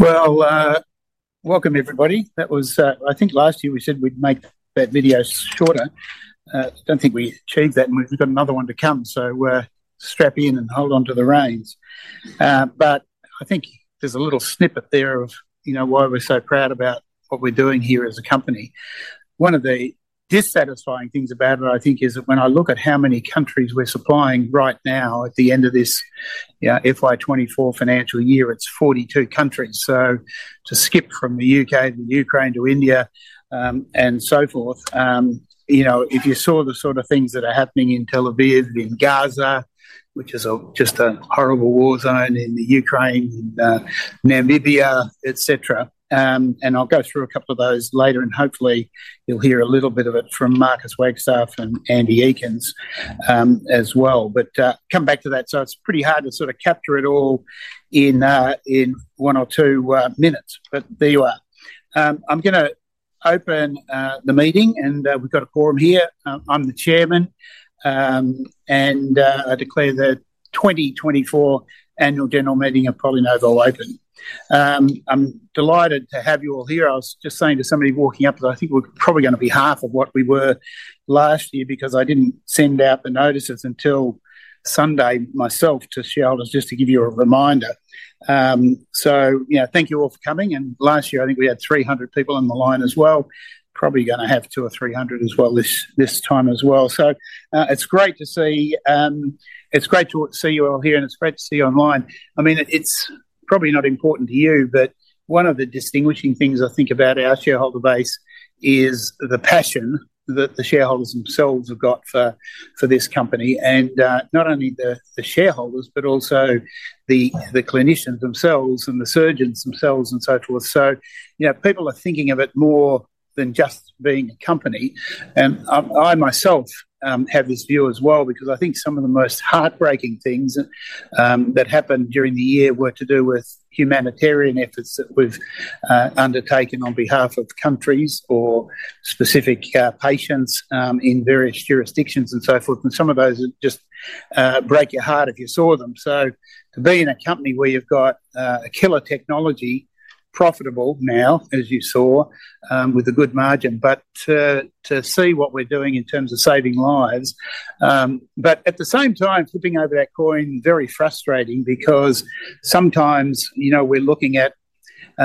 Welcome everybody. That was, I think last year we said we'd make that video shorter. Don't think we achieved that, and we've got another one to come, so strap in and hold on to the reins. I think there's a little snippet there of, you know, why we're so proud about what we're doing here as a company. One of the dissatisfying things about it, I think, is that when I look at how many countries we're supplying right now at the end of this FY 2024 financial year, it's 42 countries. So to skip from the U.K. to Ukraine to India, and so forth, you know, if you saw the sort of things that are happening in Tel Aviv, in Gaza, which is just a horrible war zone, in the Ukraine, and Namibia, et cetera. And I'll go through a couple of those later, and hopefully you'll hear a little bit of it from Marcus Wagstaff and Andy Eakins, as well. But come back to that. So it's pretty hard to sort of capture it all in one or two minutes, but there you are. I'm gonna open the meeting, and we've got a forum here. I'm the chairman, and I declare the twenty twenty-four annual general meeting of PolyNovo open. I'm delighted to have you all here. I was just saying to somebody walking up that I think we're probably gonna be half of what we were last year, because I didn't send out the notices until Sunday myself to shareholders, just to give you a reminder. You know, thank you all for coming, and last year I think we had three hundred people on the line as well. Probably gonna have two or three hundred as well this time as well. It's great to see you all here, and it's great to see you online. I mean, it's probably not important to you, but one of the distinguishing things I think about our shareholder base is the passion that the shareholders themselves have got for this company, and not only the shareholders, but also the clinicians themselves and the surgeons themselves and so forth. So, you know, people are thinking of it more than just being a company, and I myself have this view as well, because I think some of the most heartbreaking things that happened during the year were to do with humanitarian efforts that we've undertaken on behalf of countries or specific patients in various jurisdictions and so forth, and some of those just break your heart if you saw them. So to be in a company where you've got a killer technology, profitable now, as you saw, with a good margin, but to see what we're doing in terms of saving lives. But at the same time, flipping over that coin, very frustrating because sometimes, you know, we're looking at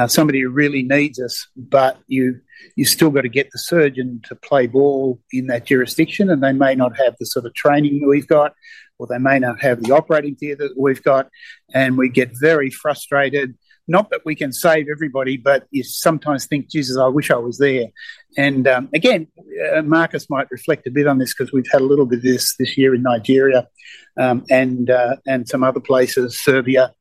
somebody who really needs us, but you still got to get the surgeon to play ball in that jurisdiction, and they may not have the sort of training we've got, or they may not have the operating theater that we've got, and we get very frustrated. Not that we can save everybody, but you sometimes think, "Jesus, I wish I was there." And, again, Marcus might reflect a bit on this 'cause we've had a little bit of this this year in Nigeria, and some other places, Serbia,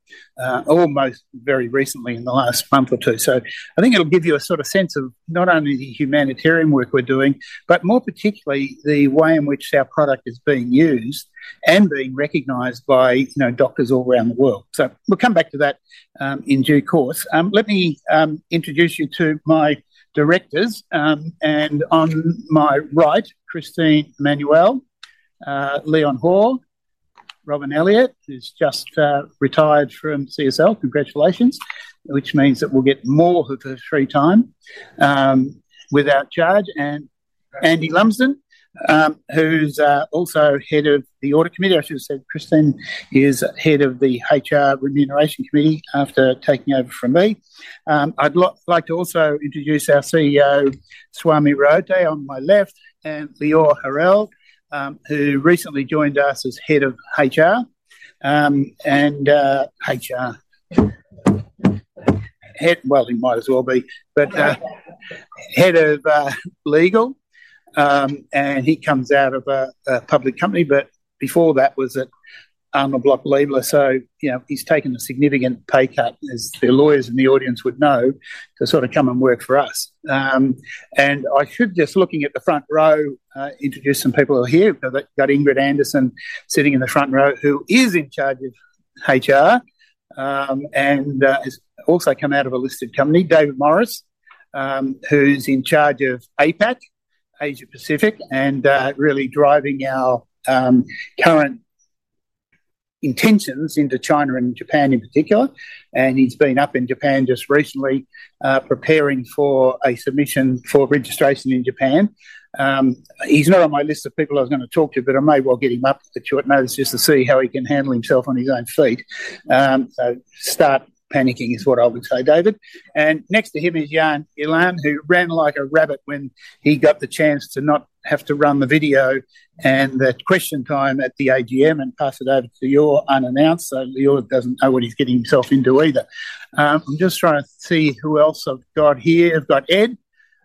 almost very recently in the last month or two. So I think it'll give you a sort of sense of not only the humanitarian work we're doing, but more particularly, the way in which our product is being used and being recognized by, you know, doctors all around the world. So we'll come back to that in due course. Let me introduce you to my directors. And on my right, Christine Emmanuel, Leon Hoare, Robin Elliott, who's just retired from CSL. Congratulations! Which means that we'll get more of her free time without charge, and Andy Lumsden, who's also head of the audit committee. I should have said Christine is head of the HR Remuneration Committee after taking over from me. I'd like to also introduce our CEO, Swami Raote, on my left, and Lior Harel, who recently joined us as head of HR, and HR. Well, he might as well be. But head of legal, and he comes out of a public company, but before that was at Arnold Bloch Leibler. So, you know, he's taken a significant pay cut, as the lawyers in the audience would know, to sort of come and work for us. And I should, just looking at the front row, introduce some people who are here. We've got Ingrid Anderson sitting in the front row, who is in charge of HR, and has also come out of a listed company. David Morris, who's in charge of APAC, Asia Pacific, and really driving our current intentions into China and Japan in particular. He's been up in Japan just recently, preparing for a submission for registration in Japan. He's not on my list of people I was gonna talk to, but I may well get him up to notice just to see how he can handle himself on his own feet. So start panicking, is what I would say, David. Next to him is Jan Gielen, who ran like a rabbit when he got the chance to not have to run the video and the question time at the AGM and pass it over to Lior unannounced, so Lior doesn't know what he's getting himself into either. I'm just trying to see who else I've got here. I've got Ed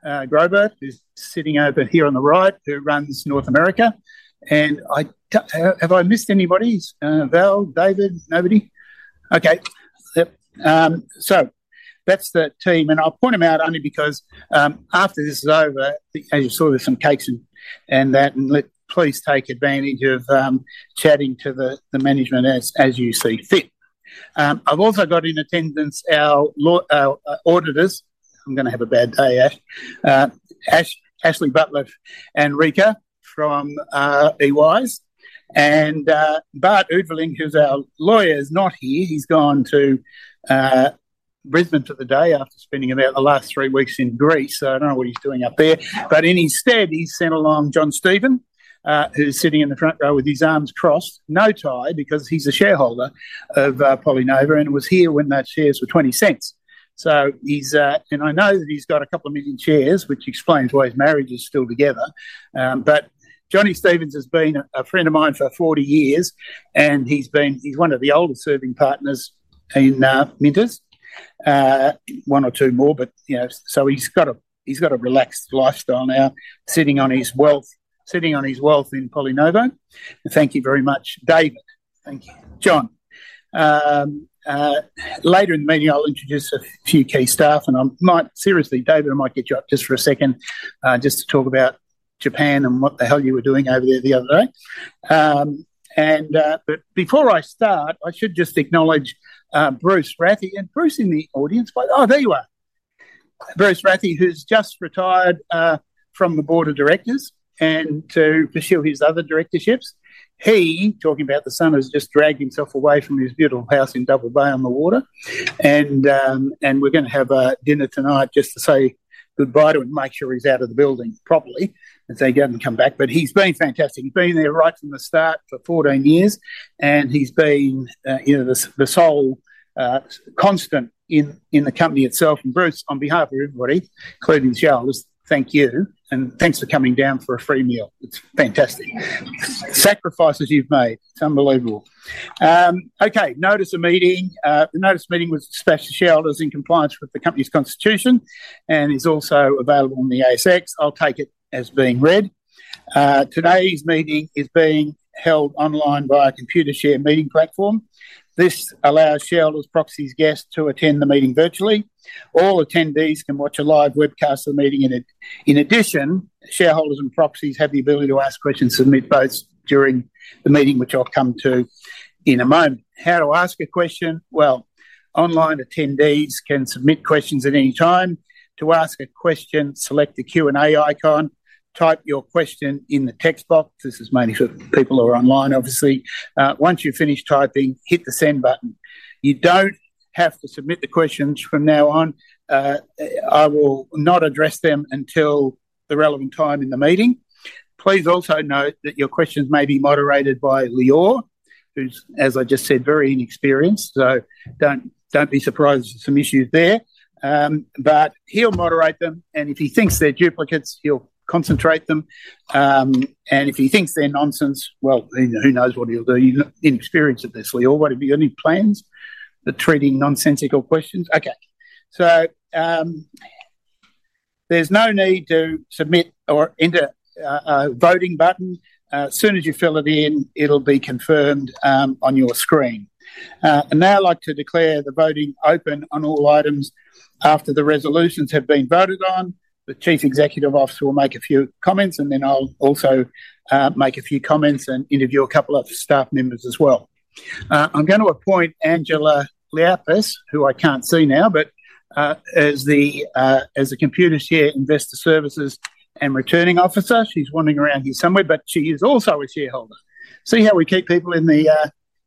Grobet, who's sitting over here on the right, who runs North America. Have I missed anybody? Val, David? Nobody. Okay. So that's the team, and I'll point them out only because, after this is over, as you saw, there's some cakes and that, and please take advantage of chatting to the management as you see fit. I've also got in attendance our auditors. I'm gonna have a bad day, Ash. Ashley Butler and Rika from EY, and Bart Oude-Vrielink, who's our lawyer, is not here. He's gone to Brisbane for the day after spending about the last three weeks in Greece, so I don't know what he's doing up there. But in his stead, he's sent along John Steven, who's sitting in the front row with his arms crossed, no tie because he's a shareholder of PolyNovo, and was here when their shares were 0.20. So he's. And I know that he's got a couple of million shares, which explains why his marriage is still together. But John Steven has been a friend of mine for forty years, and he's been one of the older serving partners in Minters. One or two more, but you know, so he's got a relaxed lifestyle now, sitting on his wealth in PolyNovo. Thank you very much, David. Thank you. Later in the meeting, I'll introduce a few key staff, and I might seriously, David, get you up just for a second, just to talk about Japan and what the hell you were doing over there the other day. But before I start, I should just acknowledge Bruce Rathie. Bruce in the audience by... Oh, there you are. Bruce Rathie, who's just retired from the board of directors, and to pursue his other directorships. He, talking about the son, has just dragged himself away from his beautiful house in Double Bay on the water, and we're going to have a dinner tonight just to say goodbye to him and make sure he's out of the building properly, and so he doesn't come back. He's been fantastic. He's been there right from the start for fourteen years, and he's been, you know, the sole constant in the company itself. Bruce, on behalf of everybody, including shareholders, thank you, and thanks for coming down for a free meal. It's fantastic. Sacrifices you've made, it's unbelievable. Okay, notice of meeting. The notice of meeting was to shareholders in compliance with the company's constitution, and is also available on the ASX. I'll take it as being read. Today's meeting is being held online via Computershare Meeting Platform. This allows shareholders, proxies, guests to attend the meeting virtually. All attendees can watch a live webcast of the meeting, and, in addition, shareholders and proxies have the ability to ask questions, submit votes during the meeting, which I'll come to in a moment. How to ask a question? Online attendees can submit questions at any time. To ask a question, select the Q&A icon, type your question in the text box. This is mainly for the people who are online, obviously. Once you've finished typing, hit the Send button. You don't have to submit the questions from now on. I will not address them until the relevant time in the meeting. Please also note that your questions may be moderated by Lior, who's, as I just said, very inexperienced, so don't, don't be surprised if some issues there. But he'll moderate them, and if he thinks they're duplicates, he'll concentrate them. And if he thinks they're nonsense, well, then who knows what he'll do? He's inexperienced at this, Lior. What, have you got any plans for treating nonsensical questions? Okay. There's no need to submit or enter a voting button. As soon as you fill it in, it'll be confirmed on your screen. And now I'd like to declare the voting open on all items. After the resolutions have been voted on, the Chief Executive Officer will make a few comments, and then I'll also make a few comments and interview a couple of staff members as well. I'm going to appoint Angela Liapis, who I can't see now, but as the Computershare Investor Services and Returning Officer. She's wandering around here somewhere, but she is also a shareholder. See how we keep people in the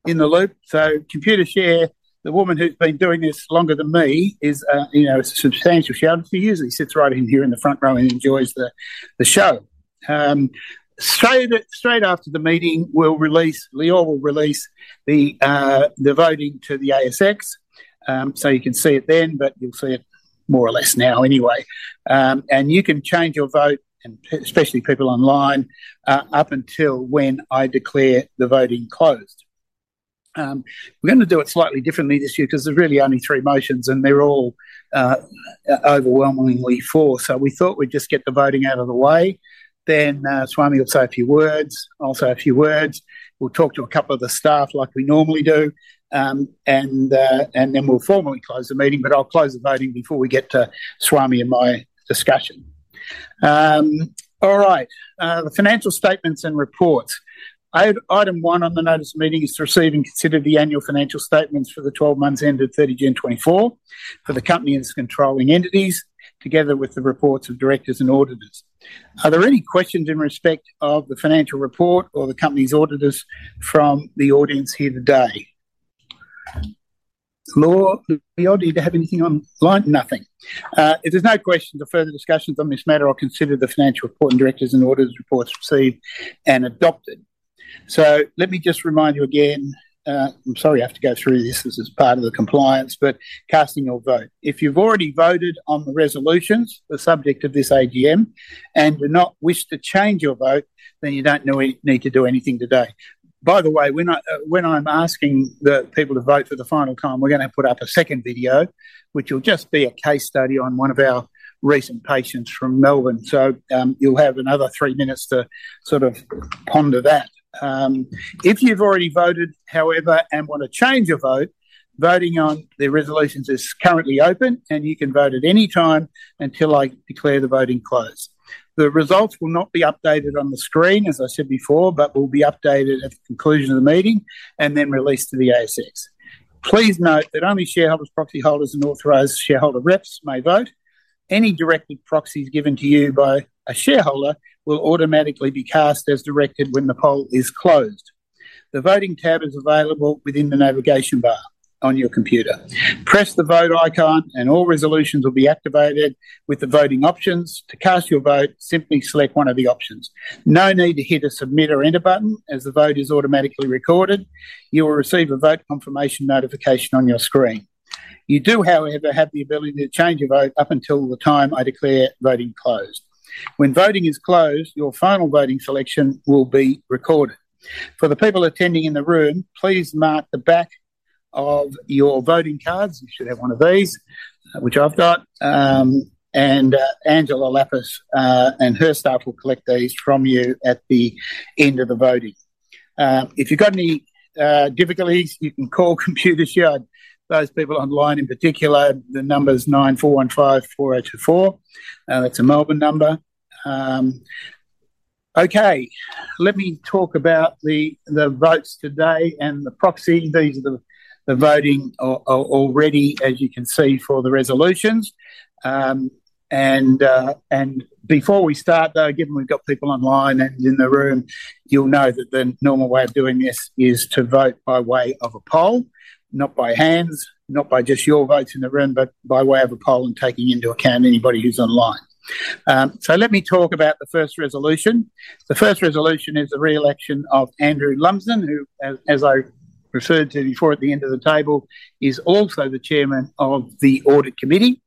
loop? So Computershare, the woman who's been doing this longer than me, is, you know, a substantial shareholder for years, and sits right in here in the front row and enjoys the show. Straight after the meeting, Lior will release the voting to the ASX. So you can see it then, but you'll see it more or less now anyway. You can change your vote, and especially people online, up until when I declare the voting closed. We're going to do it slightly differently this year, because there's really only three motions, and they're all overwhelmingly for. So we thought we'd just get the voting out of the way, then Swami will say a few words, I'll say a few words. We'll talk to a couple of the staff like we normally do, and then we'll formally close the meeting, but I'll close the voting before we get to Swami and my discussion. All right. The financial statements and reports. Item one on the notice of meeting is to receive and consider the annual financial statements for the twelve months ended thirty June 2024, for the company and its controlling entities, together with the reports of directors and auditors. Are there any questions in respect of the financial report or the company's auditors from the audience here today? Lior, Lior, do you have anything online? Nothing. If there's no questions or further discussions on this matter, I'll consider the financial report and directors and auditors reports received and adopted. So let me just remind you again, I'm sorry I have to go through this, this is part of the compliance, but casting your vote. If you've already voted on the resolutions, the subject of this AGM, and do not wish to change your vote, then you don't need to do anything today. By the way, when I'm asking the people to vote for the final time, we're going to put up a second video, which will just be a case study on one of our recent patients from Melbourne. So, you'll have another three minutes to sort of ponder that. If you've already voted, however, and want to change your vote, voting on the resolutions is currently open, and you can vote at any time until I declare the voting closed. The results will not be updated on the screen, as I said before, but will be updated at the conclusion of the meeting, and then released to the ASX. Please note that only shareholders, proxy holders, and authorized shareholder reps may vote. Any directed proxies given to you by a shareholder will automatically be cast as directed when the poll is closed. The voting tab is available within the navigation bar on your computer. Press the Vote icon, and all resolutions will be activated with the voting options. To cast your vote, simply select one of the options. No need to hit a Submit or Enter button, as the vote is automatically recorded. You will receive a vote confirmation notification on your screen. You do, however, have the ability to change your vote up until the time I declare voting closed. When voting is closed, your final voting selection will be recorded. For the people attending in the room, please mark the back of your voting cards. You should have one of these, which I've got. And Angela Liapis and her staff will collect these from you at the end of the voting. If you've got any difficulties, you can call Computershare. Those people online, in particular, the number is nine four one five four eight two four. It's a Melbourne number. Okay, let me talk about the votes today and the proxy. These are the voting already, as you can see, for the resolutions, and before we start, though, given we've got people online and in the room, you'll know that the normal way of doing this is to vote by way of a poll, not by hands, not by just your votes in the room, but by way of a poll and taking into account anybody who's online, so let me talk about the first resolution. The first resolution is the re-election of Andrew Lumsden, who, as I referred to before at the end of the table, is also the chairman of the audit committee.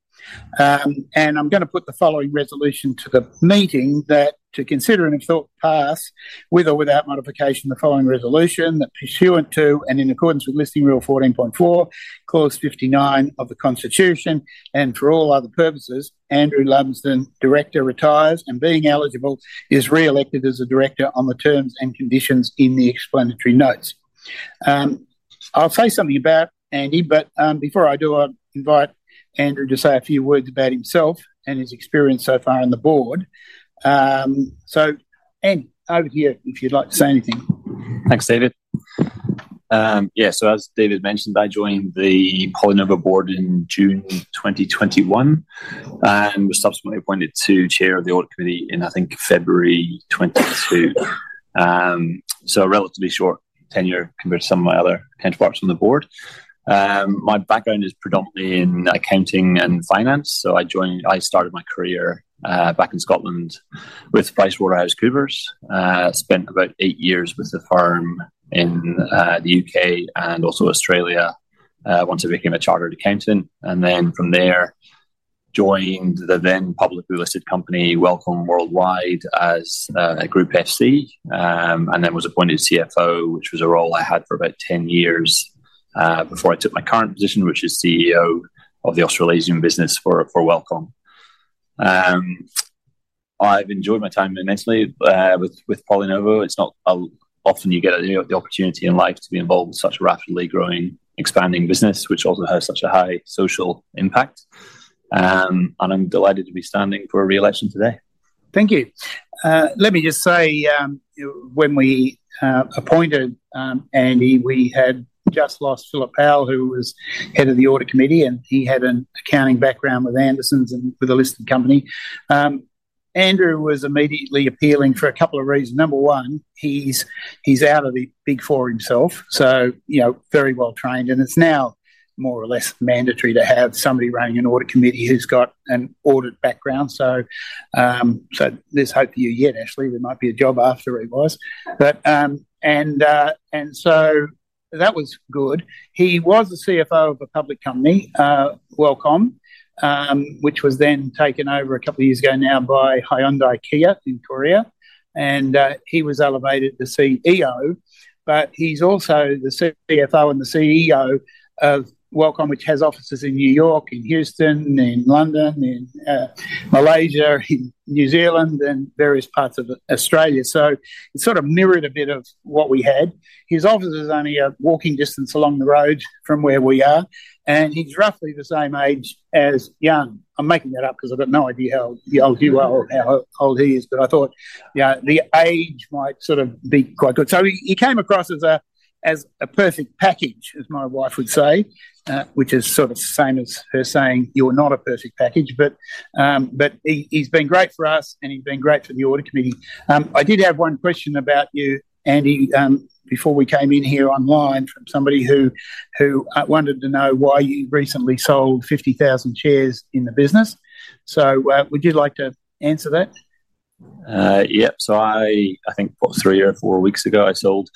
And I'm gonna put the following resolution to the meeting, that to consider and if thought pass, with or without modification, the following resolution that pursuant to and in accordance with Listing Rule fourteen point four, Clause fifty-nine of the Constitution, and for all other purposes, Andrew Lumsden, director, retires, and being eligible, is re-elected as a director on the terms and conditions in the explanatory notes. I'll say something about Andy, but, before I do, I'll invite Andrew to say a few words about himself and his experience so far on the board. So, Andy, over to you, if you'd like to say anything. Thanks, David. Yeah, so as David mentioned, I joined the PolyNovo board in June 2021, and was subsequently appointed to Chair of the Audit Committee in, I think, February 2022. So a relatively short tenure compared to some of my other counterparts on the board. My background is predominantly in accounting and finance. I started my career back in Scotland with PricewaterhouseCoopers. Spent about eight years with the firm in the UK and also Australia once I became a chartered accountant. And then from there, joined the then publicly listed company, Wellcom Worldwide, as a group FC, and then was appointed CFO, which was a role I had for about 10 years before I took my current position, which is CEO of the Australasian business for Wellcom. I've enjoyed my time immensely with PolyNovo. It's not often you get the opportunity in life to be involved in such a rapidly growing, expanding business, which also has such a high social impact. And I'm delighted to be standing for a re-election today. Thank you. Let me just say, when we appointed Andy, we had just lost Philip Powell, who was head of the audit committee, and he had an accounting background with Anderson's and with a listed company. Andrew was immediately appealing for a couple of reasons. Number one, he's out of the big four himself, so you know, very well trained, and it's now more or less mandatory to have somebody running an audit committee who's got an audit background. So, so there's hope for you yet, Ashley. There might be a job after he was. But, and, and so that was good. He was the CFO of a public company, Wellcom, which was then taken over a couple of years ago now by Hyundai Kia in Korea, and he was elevated to CEO. But he's also the CFO and the CEO of Wellcom, which has offices in New York, in Houston, in London, in Malaysia, in New Zealand, and various parts of Australia. So it sort of mirrored a bit of what we had. His office is only a walking distance along the road from where we are, and he's roughly the same age as young. I'm making that up because I've got no idea how young you are or how old he is, but I thought, you know, the age might sort of be quite good. So he came across as a perfect package, as my wife would say, which is sort of the same as her saying, "You're not a perfect package," but he, he's been great for us, and he's been great for the audit committee. I did have one question about you, Andy, before we came in here online, from somebody who wanted to know why you recently sold 50,000 shares in the business. So, would you like to answer that? Yep. I think about three or four weeks ago, I sold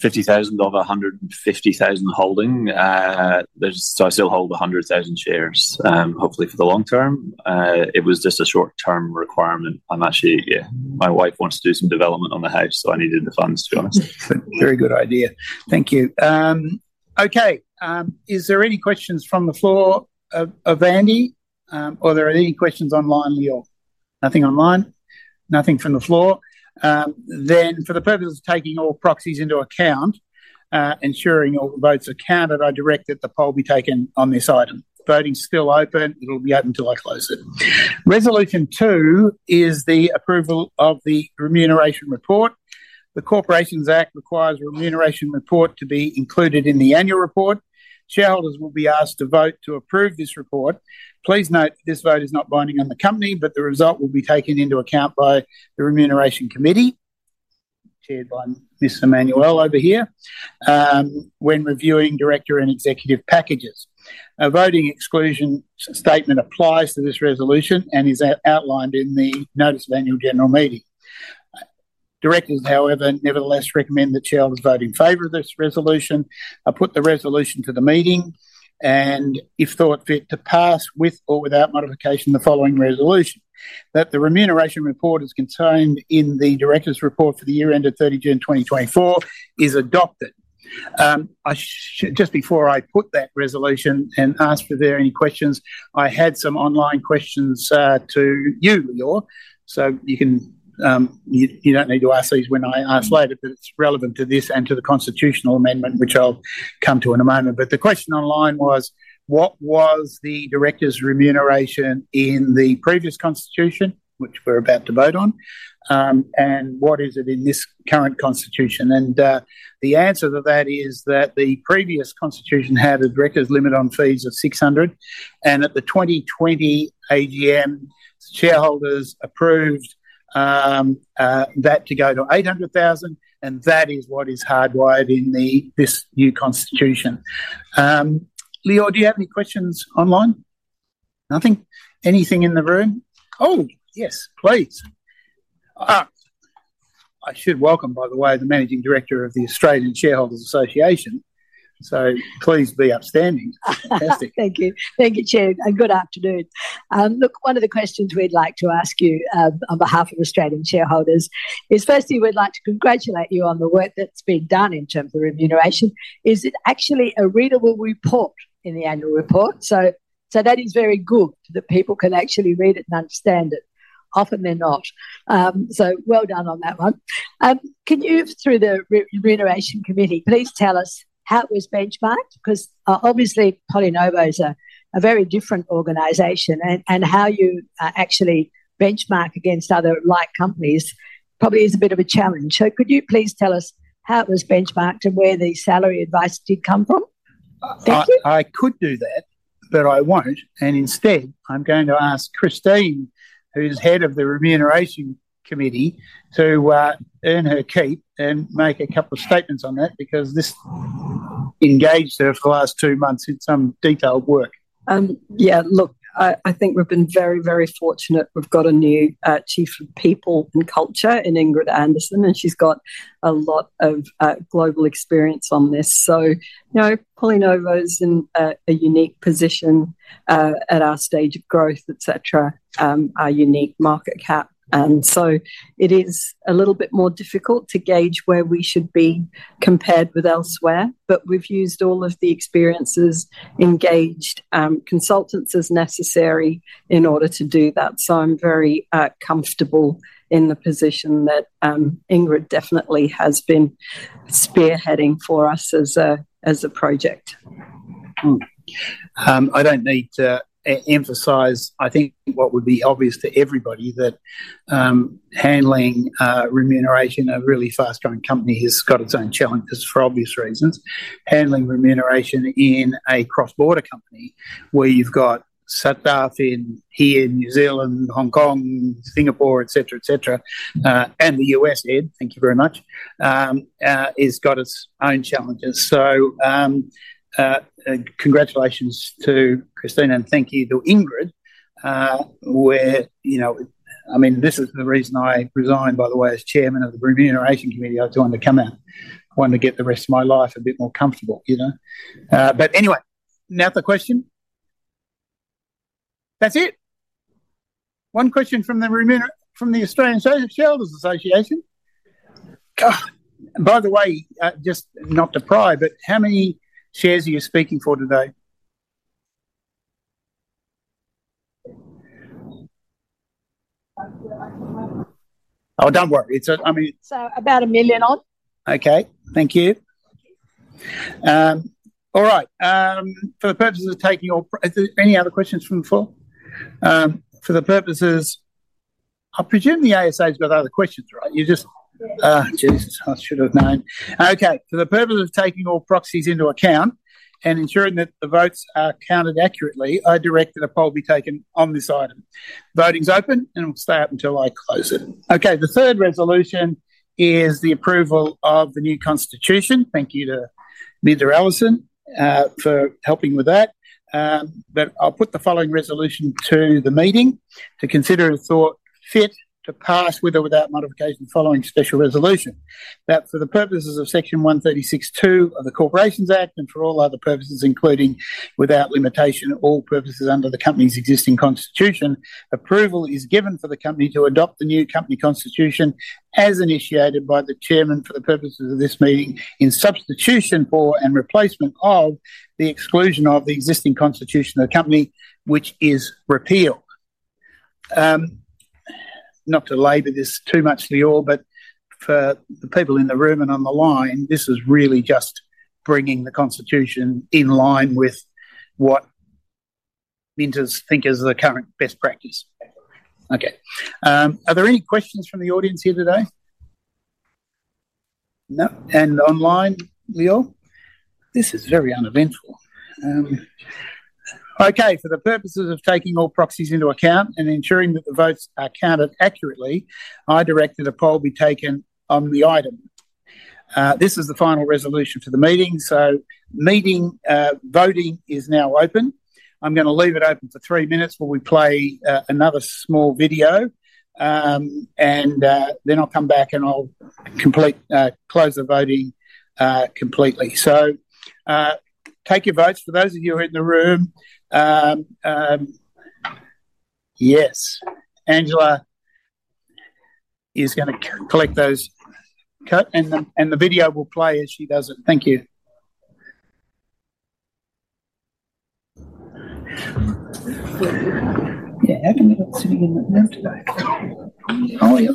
50,000 of a 150,000 holding. I still hold 100,000 shares, hopefully for the long term. It was just a short-term requirement. I'm actually... Yeah, my wife wants to do some development on the house, so I needed the funds, to be honest. Very good idea. Thank you. Okay, is there any questions from the floor, of Andy, or are there any questions online, Leo? Nothing online. Nothing from the floor. Then for the purpose of taking all proxies into account, ensuring all the votes are counted, I direct that the poll be taken on this item. Voting's still open. It'll be open till I close it. Resolution two is the approval of the remuneration report. The Corporations Act requires a remuneration report to be included in the annual report. Shareholders will be asked to vote to approve this report. Please note, this vote is not binding on the company, but the result will be taken into account by the Remuneration Committee, chaired by Ms. Emmanuel over here, when reviewing director and executive packages. A voting exclusion statement applies to this resolution and is outlined in the notice of Annual General Meeting. Directors, however, nevertheless, recommend that shareholders vote in favor of this resolution. I put the resolution to the meeting, and if thought fit to pass, with or without modification, the following resolution: That the remuneration report is contained in the directors' report for the year end of thirty June 2024, is adopted. Just before I put that resolution and ask if there are any questions, I had some online questions to you, Lior. So you don't need to ask these when I ask later, but it's relevant to this and to the constitutional amendment, which I'll come to in a moment. But the question online was: What was the directors' remuneration in the previous constitution, which we're about to vote on? What is it in this current constitution? The answer to that is that the previous constitution had a directors' limit on fees of 600,000, and at the 2020 AGM, shareholders approved that to go to 800,000, and that is what is hardwired in this new constitution. Lior, do you have any questions online? Nothing. Anything in the room? Oh, yes, please. I should welcome, by the way, the Managing Director of the Australian Shareholders' Association, so please be upstanding. Fantastic. Thank you. Thank you, Chair, and good afternoon. Look, one of the questions we'd like to ask you, on behalf of Australian shareholders is, firstly, we'd like to congratulate you on the work that's been done in terms of remuneration. Is it actually a readable report in the annual report? So, that is very good that people can actually read it and understand it. Often they're not. So well done on that one. Can you, through the remuneration committee, please tell us how it was benchmarked? Because, obviously, PolyNovo is a very different organization, and how you actually benchmark against other like companies probably is a bit of a challenge. So could you please tell us how it was benchmarked and where the salary advice did come from? Thank you. I could do that, but I won't, and instead, I'm going to ask Christine, who's head of the Remuneration Committee, to earn her keep and make a couple of statements on that, because this engaged her for the last two months in some detailed work. Yeah, look, I think we've been very, very fortunate. We've got a new Chief of People and Culture in Ingrid Anderson, and she's got a lot of global experience on this. So, you know, PolyNovo is in a unique position at our stage of growth, et cetera, our unique market cap. And so it is a little bit more difficult to gauge where we should be compared with elsewhere, but we've used all of the experiences, engaged consultants as necessary in order to do that. So I'm very comfortable in the position that Ingrid definitely has been spearheading for us as a project. I don't need to emphasize, I think what would be obvious to everybody, that handling remuneration in a really fast-growing company has got its own challenges, for obvious reasons. Handling remuneration in a cross-border company where you've got staff in here, New Zealand, Hong Kong, Singapore, et cetera, et cetera, and the US, Ed, thank you very much, has got its own challenges. So, congratulations to Christine, and thank you to Ingrid. You know... I mean, this is the reason I resigned, by the way, as chairman of the Remuneration Committee. I wanted to come out. I wanted to get the rest of my life a bit more comfortable, you know? But anyway, now the question. That's it? One question from the Australian Shareholders' Association. By the way, just not to pry, but how many shares are you speaking for today? Oh, don't worry. It's, I mean- So, about a million odd. Okay. Thank you. All right, for the purposes of taking all... Are there any other questions from the floor? For the purposes, I presume the ASA's got other questions, right? You just- Yes. Jesus, I should have known. Okay, for the purpose of taking all proxies into account and ensuring that the votes are counted accurately, I direct that a poll be taken on this item. Voting is open, and it will stay up until I close it. Okay, the third resolution is the approval of the new constitution. Thank you to MinterEllison for helping with that. But I'll put the following resolution to the meeting to consider and deem fit to pass, with or without modification, the following special resolution. That for the purposes of Section 136, two of the Corporations Act, and for all other purposes, including without limitation, all purposes under the company's existing constitution, approval is given for the company to adopt the new company constitution as initiated by the chairman for the purposes of this meeting, in substitution for and replacement of the exclusion of the existing constitution of the company, which is repealed. Not to labor this too much, Leo, but for the people in the room and on the line, this is really just bringing the constitution in line with what Minter's think is the current best practice. Okay. Are there any questions from the audience here today? No. And online, Leo? This is very uneventful. Okay, for the purposes of taking all proxies into account and ensuring that the votes are counted accurately, I direct that a poll be taken on the item. This is the final resolution to the meeting, so voting is now open. I'm gonna leave it open for three minutes while we play another small video. Then I'll come back, and I'll close the voting completely. So take your votes. For those of you who are in the room, yes, Angela is gonna collect those. And the video will play as she does it. Thank you. Yeah, how come you're not sitting in with them today? Oh, yeah.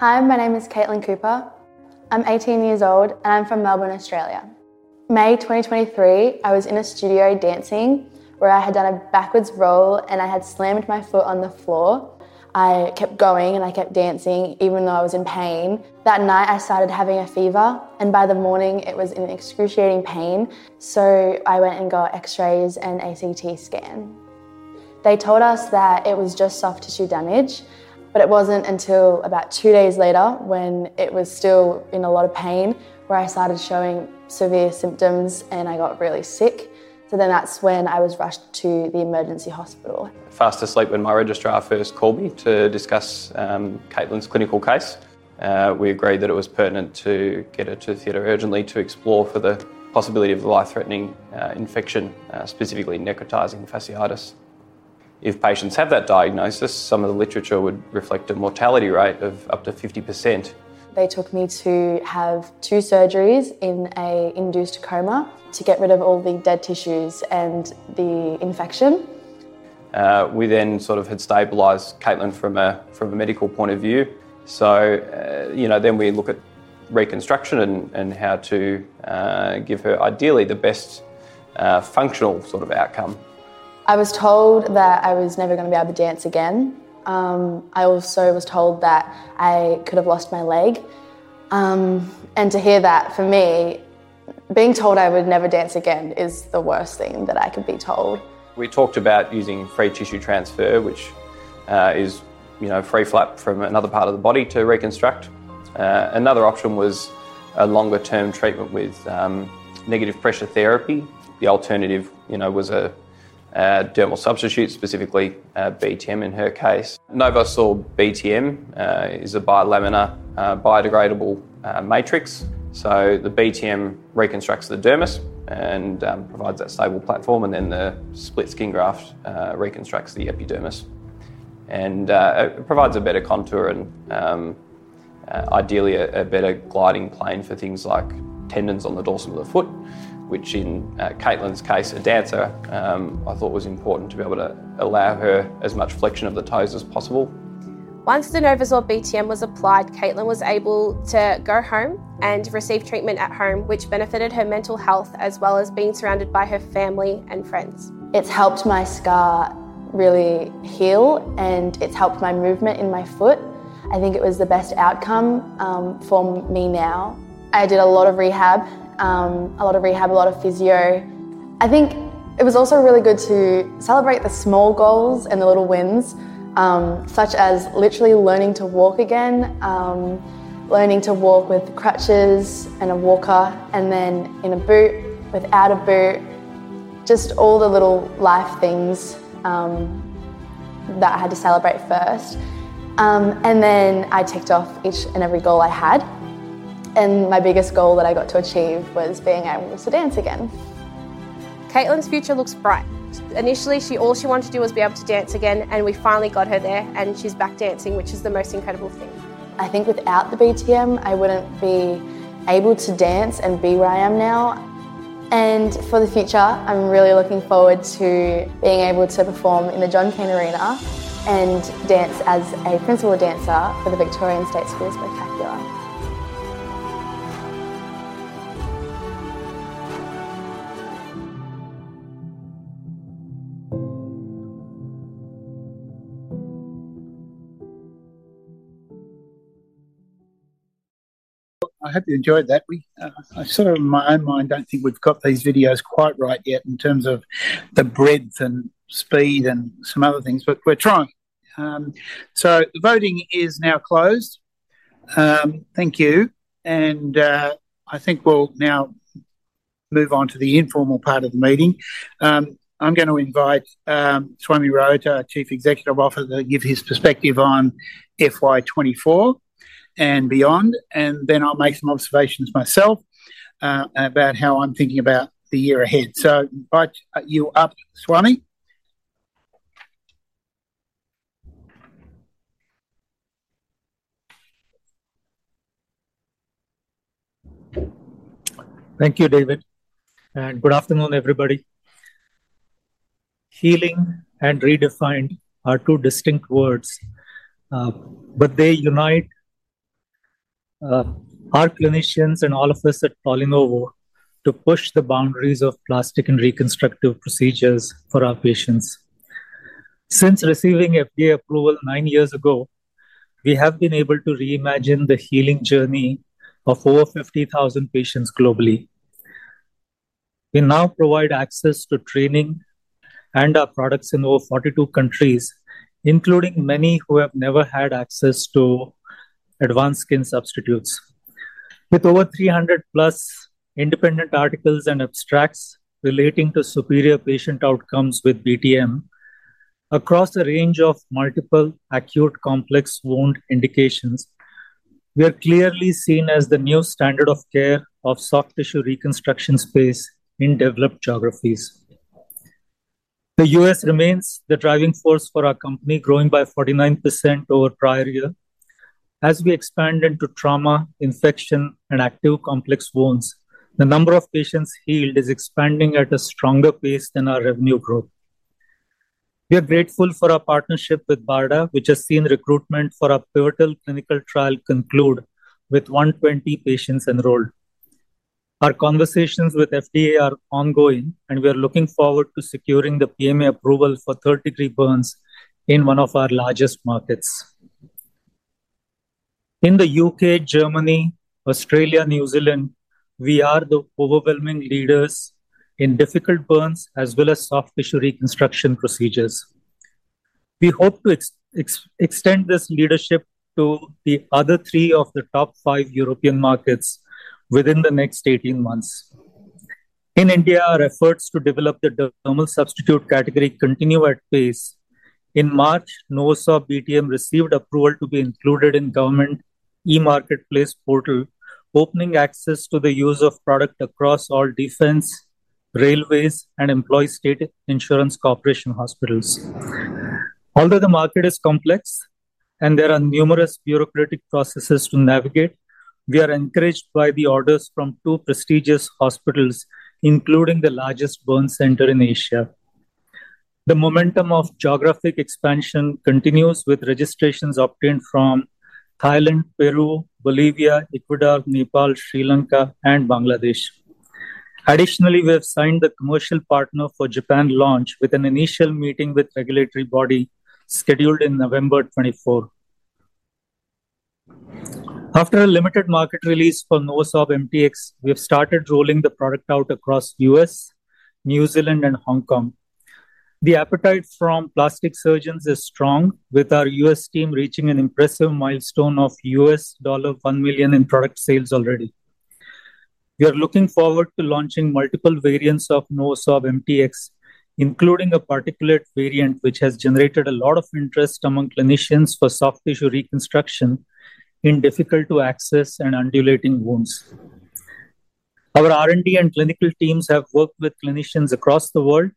Hi, my name is Caitlin Cooper. I'm eighteen years old, and I'm from Melbourne, Australia. May 2023, I was in a studio dancing, where I had done a backwards roll, and I had slammed my foot on the floor. I kept going, and I kept dancing, even though I was in pain. That night, I started having a fever, and by the morning it was in excruciating pain. So I went and got X-rays and a CT scan. They told us that it was just soft tissue damage, but it wasn't until about two days later, when it was still in a lot of pain, where I started showing severe symptoms, and I got really sick. So then that's when I was rushed to the emergency hospital. Fast asleep when my registrar first called me to discuss Caitlin's clinical case. We agreed that it was pertinent to get her to theater urgently to explore for the possibility of a life-threatening infection, specifically necrotizing fasciitis. If patients have that diagnosis, some of the literature would reflect a mortality rate of up to 50%. They took me to have two surgeries in an induced coma to get rid of all the dead tissues and the infection. We then sort of had stabilized Caitlin from a medical point of view. So, you know, then we look at reconstruction and how to give her ideally the best functional sort of outcome. I was told that I was never gonna be able to dance again. I also was told that I could have lost my leg. And to hear that, for me, being told I would never dance again is the worst thing that I could be told. We talked about using free tissue transfer, which is, you know, a free flap from another part of the body to reconstruct. Another option was a longer-term treatment with negative pressure therapy. The alternative, you know, was a dermal substitute, specifically a BTM, in her case. NovoSorb BTM is a biolaminar biodegradable matrix. So the BTM reconstructs the dermis and provides that stable platform, and then the split skin graft reconstructs the epidermis. And it provides a better contour and ideally a better gliding plane for things like tendons on the dorsum of the foot, which in Caitlin's case, a dancer, I thought was important to be able to allow her as much flexion of the toes as possible. Once the NovoSorb BTM was applied, Caitlin was able to go home and receive treatment at home, which benefited her mental health, as well as being surrounded by her family and friends. It's helped my scar really heal, and it's helped my movement in my foot. I think it was the best outcome for me now. I did a lot of rehab, a lot of physio. I think it was also really good to celebrate the small goals and the little wins, such as literally learning to walk again, learning to walk with crutches and a walker, and then in a boot, without a boot. Just all the little life things that I had to celebrate first. And then I ticked off each and every goal I had, and my biggest goal that I got to achieve was being able to dance again. Caitlin's future looks bright. Initially, she... all she wanted to do was be able to dance again, and we finally got her there, and she's back dancing, which is the most incredible thing. I think without the BTM, I wouldn't be able to dance and be where I am now. And for the future, I'm really looking forward to being able to perform in the John Cain Arena and dance as a principal dancer for the Victorian State Schools Spectacular. I hope you enjoyed that. We, I sort of, in my own mind, don't think we've got these videos quite right yet in terms of the breadth and speed and some other things, but we're trying. So voting is now closed. Thank you, and, I think we'll now move on to the informal part of the meeting. I'm gonna invite, Swami Raote, our Chief Executive Officer, to give his perspective on FY 2024 and beyond, and then I'll make some observations myself, about how I'm thinking about the year ahead. So invite you up, Swami. Thank you, David, and good afternoon, everybody. Healing and redefined are two distinct words, but they unite our clinicians and all of us at PolyNovo to push the boundaries of plastic and reconstructive procedures for our patients. Since receiving FDA approval nine years ago, we have been able to reimagine the healing journey of over fifty thousand patients globally. We now provide access to training and our products in over forty-two countries, including many who have never had access to advanced skin substitutes. With over three hundred plus independent articles and abstracts relating to superior patient outcomes with BTM across a range of multiple acute complex wound indications, we are clearly seen as the new standard of care of soft tissue reconstruction space in developed geographies. The U.S. remains the driving force for our company, growing by 49% over prior year. As we expand into trauma, infection, and active complex wounds, the number of patients healed is expanding at a stronger pace than our revenue growth. We are grateful for our partnership with BARDA, which has seen recruitment for our pivotal clinical trial conclude with 120 patients enrolled. Our conversations with FDA are ongoing, and we are looking forward to securing the PMA approval for third-degree burns in one of our largest markets. In the U.K., Germany, Australia, New Zealand, we are the overwhelming leaders in difficult burns as well as soft tissue reconstruction procedures. We hope to extend this leadership to the other three of the top five European markets within the next 18 months. In India, our efforts to develop the dermal substitute category continue at pace. In March, NovoSorb BTM received approval to be included in government e-marketplace portal, opening access to the use of product across all defense, railways, and employee state insurance corporation hospitals. Although the market is complex and there are numerous bureaucratic processes to navigate, we are encouraged by the orders from two prestigious hospitals, including the largest burn center in Asia. The momentum of geographic expansion continues with registrations obtained from Thailand, Peru, Bolivia, Ecuador, Nepal, Sri Lanka, and Bangladesh. Additionally, we have signed the commercial partner for Japan launch, with an initial meeting with regulatory body scheduled in November 2024. After a limited market release for NovoSorb MTX, we have started rolling the product out across U.S., New Zealand, and Hong Kong. The appetite from plastic surgeons is strong, with our U.S. team reaching an impressive milestone of $1 million in product sales already. We are looking forward to launching multiple variants of NovoSorb MTX, including a particulate variant, which has generated a lot of interest among clinicians for soft tissue reconstruction in difficult to access and undulating wounds. Our R&D and clinical teams have worked with clinicians across the world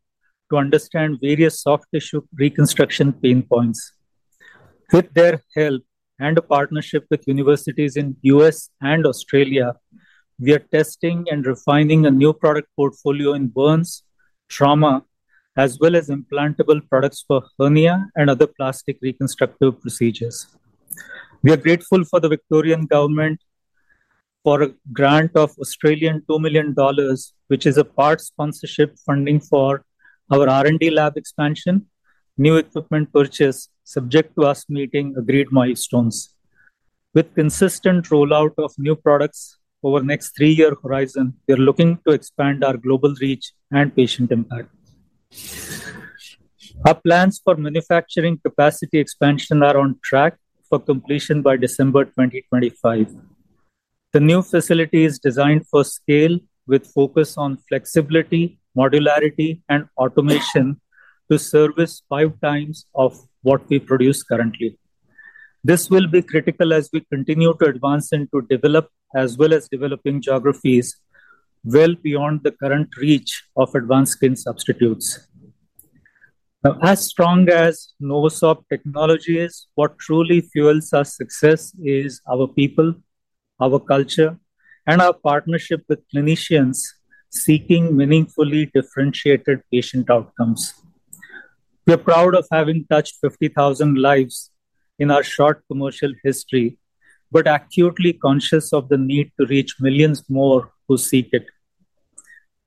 to understand various soft tissue reconstruction pain points. With their help and a partnership with universities in U.S. and Australia, we are testing and refining a new product portfolio in burns, trauma, as well as implantable products for hernia and other plastic reconstructive procedures. We are grateful for the Victorian government for a grant of 2 million Australian dollars, which is a part sponsorship funding for our R&D lab expansion, new equipment purchase, subject to us meeting agreed milestones. With consistent rollout of new products over the next three-year horizon, we are looking to expand our global reach and patient impact. Our plans for manufacturing capacity expansion are on track for completion by December 2025. The new facility is designed for scale, with focus on flexibility, modularity, and automation to service five times of what we produce currently. This will be critical as we continue to advance and to develop, as well as developing geographies well beyond the current reach of advanced skin substitutes. Now, as strong as NovoSorb technology is, what truly fuels our success is our people, our culture, and our partnership with clinicians seeking meaningfully differentiated patient outcomes. We are proud of having touched 50,000 lives in our short commercial history, but acutely conscious of the need to reach millions more who seek it.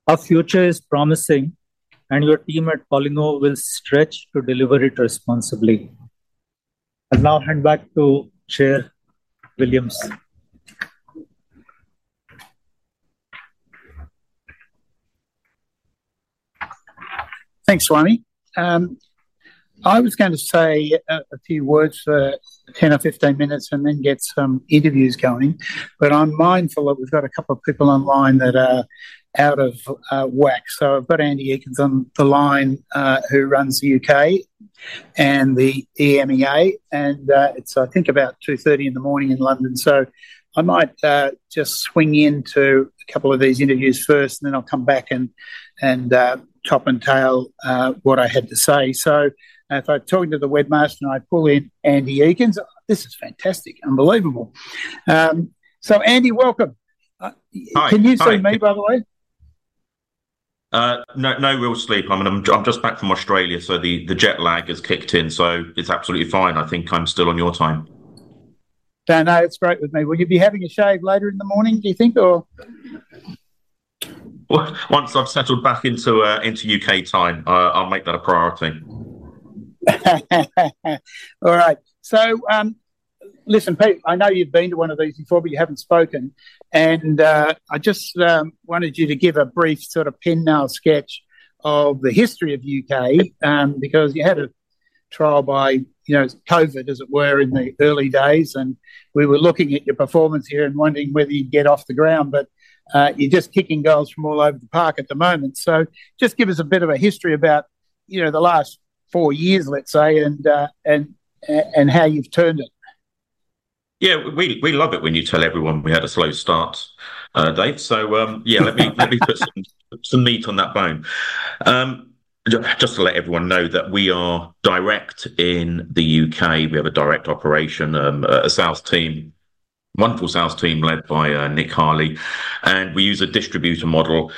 Our future is promising, and your team at PolyNovo will stretch to deliver it responsibly. I'll now hand back to Chair Williams. Thanks, Swami. I was gonna say a few words for 10 or 15 minutes and then get some interviews going, but I'm mindful that we've got a couple of people online that are out of whack. So I've got Andy Eakins on the line, who runs the UK and the EMEA, and it's, I think, about 2:30 A.M. in London. So I might just swing into a couple of these interviews first, and then I'll come back and top and tail what I had to say. So if I talk to the webmaster, and I pull in Andy Eakins... This is fantastic. Unbelievable. So, Andy, welcome. Hi. Hi. Can you see me, by the way? No, no real sleep. I'm in, I'm just back from Australia, so the jet lag has kicked in, so it's absolutely fine. I think I'm still on your time. Don't know, it's great with me. Will you be having a shave later in the morning, do you think, or? Once I've settled back into UK time, I'll make that a priority. All right. So, listen, Pete, I know you've been to one of these before, but you haven't spoken. And, I just wanted you to give a brief sort of pen sketch of the history of U.K., because you had a trial by, you know, COVID, as it were, in the early days, and we were looking at your performance here and wondering whether you'd get off the ground, but, you're just kicking goals from all over the park at the moment. So just give us a bit of a history about, you know, the last four years, let's say, and, and how you've turned it. Yeah, we love it when you tell everyone we had a slow start, Dave. So, yeah, let me put some meat on that bone. Just to let everyone know that we are direct in the UK. We have a direct operation, a sales team, wonderful sales team led by Nick Harley, and we use a distributor model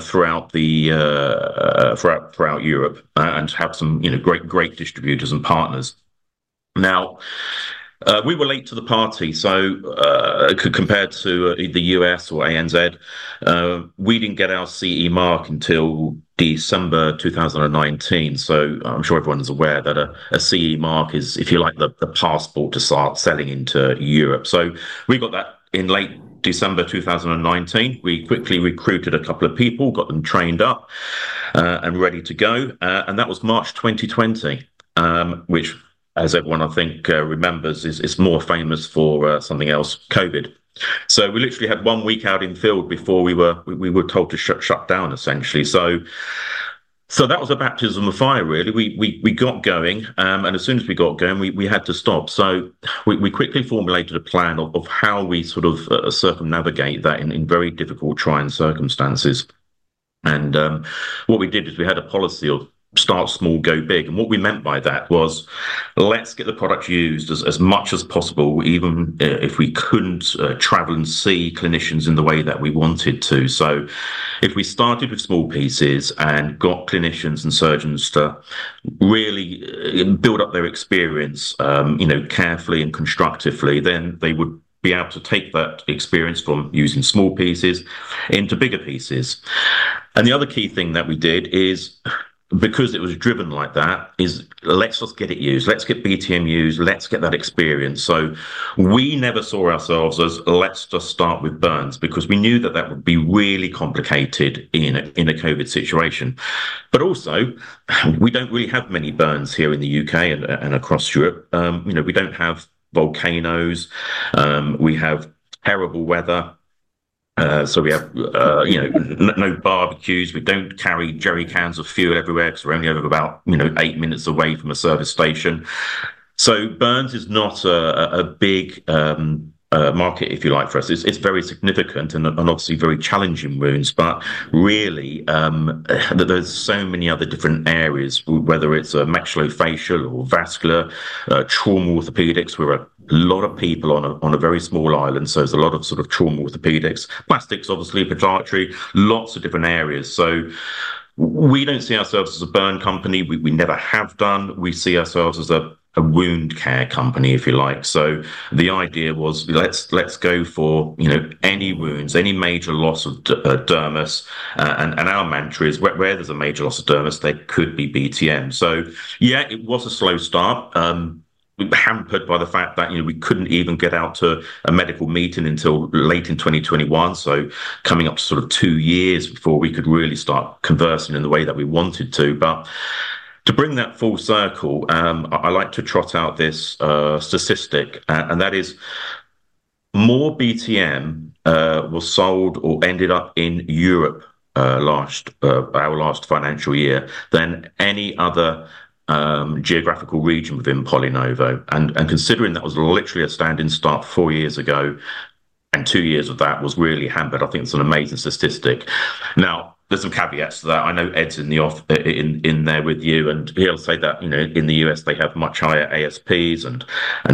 throughout Europe, and have some, you know, great distributors and partners. Now, we were late to the party, so, compared to the US or ANZ, we didn't get our CE mark until December 2019. So I'm sure everyone's aware that a CE mark is, if you like, the passport to start selling into Europe. So we got that in late December 2019. We quickly recruited a couple of people, got them trained up, and ready to go, and that was March 2020, which, as everyone I think remembers, is more famous for something else, COVID. So we literally had one week out in the field before we were told to shut down, essentially. That was a baptism of fire, really. We got going, and as soon as we got going, we had to stop. We quickly formulated a plan of how we sort of circumnavigate that in very difficult trying circumstances. What we did is we had a policy of start small, go big. And what we meant by that was, let's get the product used as much as possible, even if we couldn't travel and see clinicians in the way that we wanted to. So if we started with small pieces and got clinicians and surgeons to really build up their experience, you know, carefully and constructively, then they would be able to take that experience from using small pieces into bigger pieces. And the other key thing that we did is, because it was driven like that, is let's just get it used. Let's get BTM used, let's get that experience. So we never saw ourselves as, "Let's just start with burns," because we knew that that would be really complicated in a COVID situation. But also, we don't really have many burns here in the U.K. and across Europe. You know, we don't have volcanoes, we have terrible weather, so we have, you know, no barbecues. We don't carry jerry cans of fuel everywhere, because we're only ever about, you know, eight minutes away from a service station. So burns is not a big market, if you like, for us. It's very significant and obviously very challenging wounds, but really, there's so many other different areas, whether it's maxillofacial or vascular trauma orthopedics. We're a lot of people on a very small island, so there's a lot of sort of trauma orthopedics. Plastics, obviously, podiatry, lots of different areas. So we don't see ourselves as a burn company. We never have done. We see ourselves as a wound care company, if you like. So the idea was, let's go for, you know, any wounds, any major loss of dermis. And our mantra is, where there's a major loss of dermis, there could be BTM. So yeah, it was a slow start, hampered by the fact that, you know, we couldn't even get out to a medical meeting until late in 2021, so coming up to sort of two years before we could really start conversing in the way that we wanted to. But to bring that full circle, I like to trot out this statistic, and that is: more BTM was sold or ended up in Europe, our last financial year, than any other geographical region within PolyNovo. Considering that was literally a standing start four years ago, and two years of that was really hampered, I think it's an amazing statistic. Now, there's some caveats to that. I know Ed's in there with you, and he'll say that, you know, in the U.S., they have much higher ASPs, and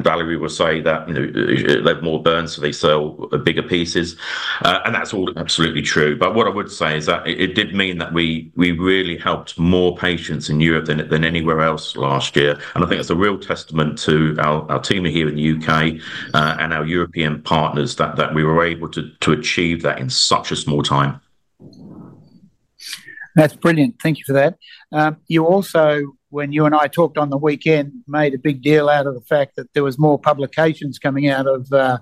Valerie will say that, you know, they have more burns, so they sell bigger pieces. And that's all absolutely true. But what I would say is that it did mean that we really helped more patients in Europe than anywhere else last year. And I think that's a real testament to our team here in the U.K. and our European partners, that we were able to achieve that in such a small time. That's brilliant. Thank you for that. You also, when you and I talked on the weekend, made a big deal out of the fact that there was more publications coming out of the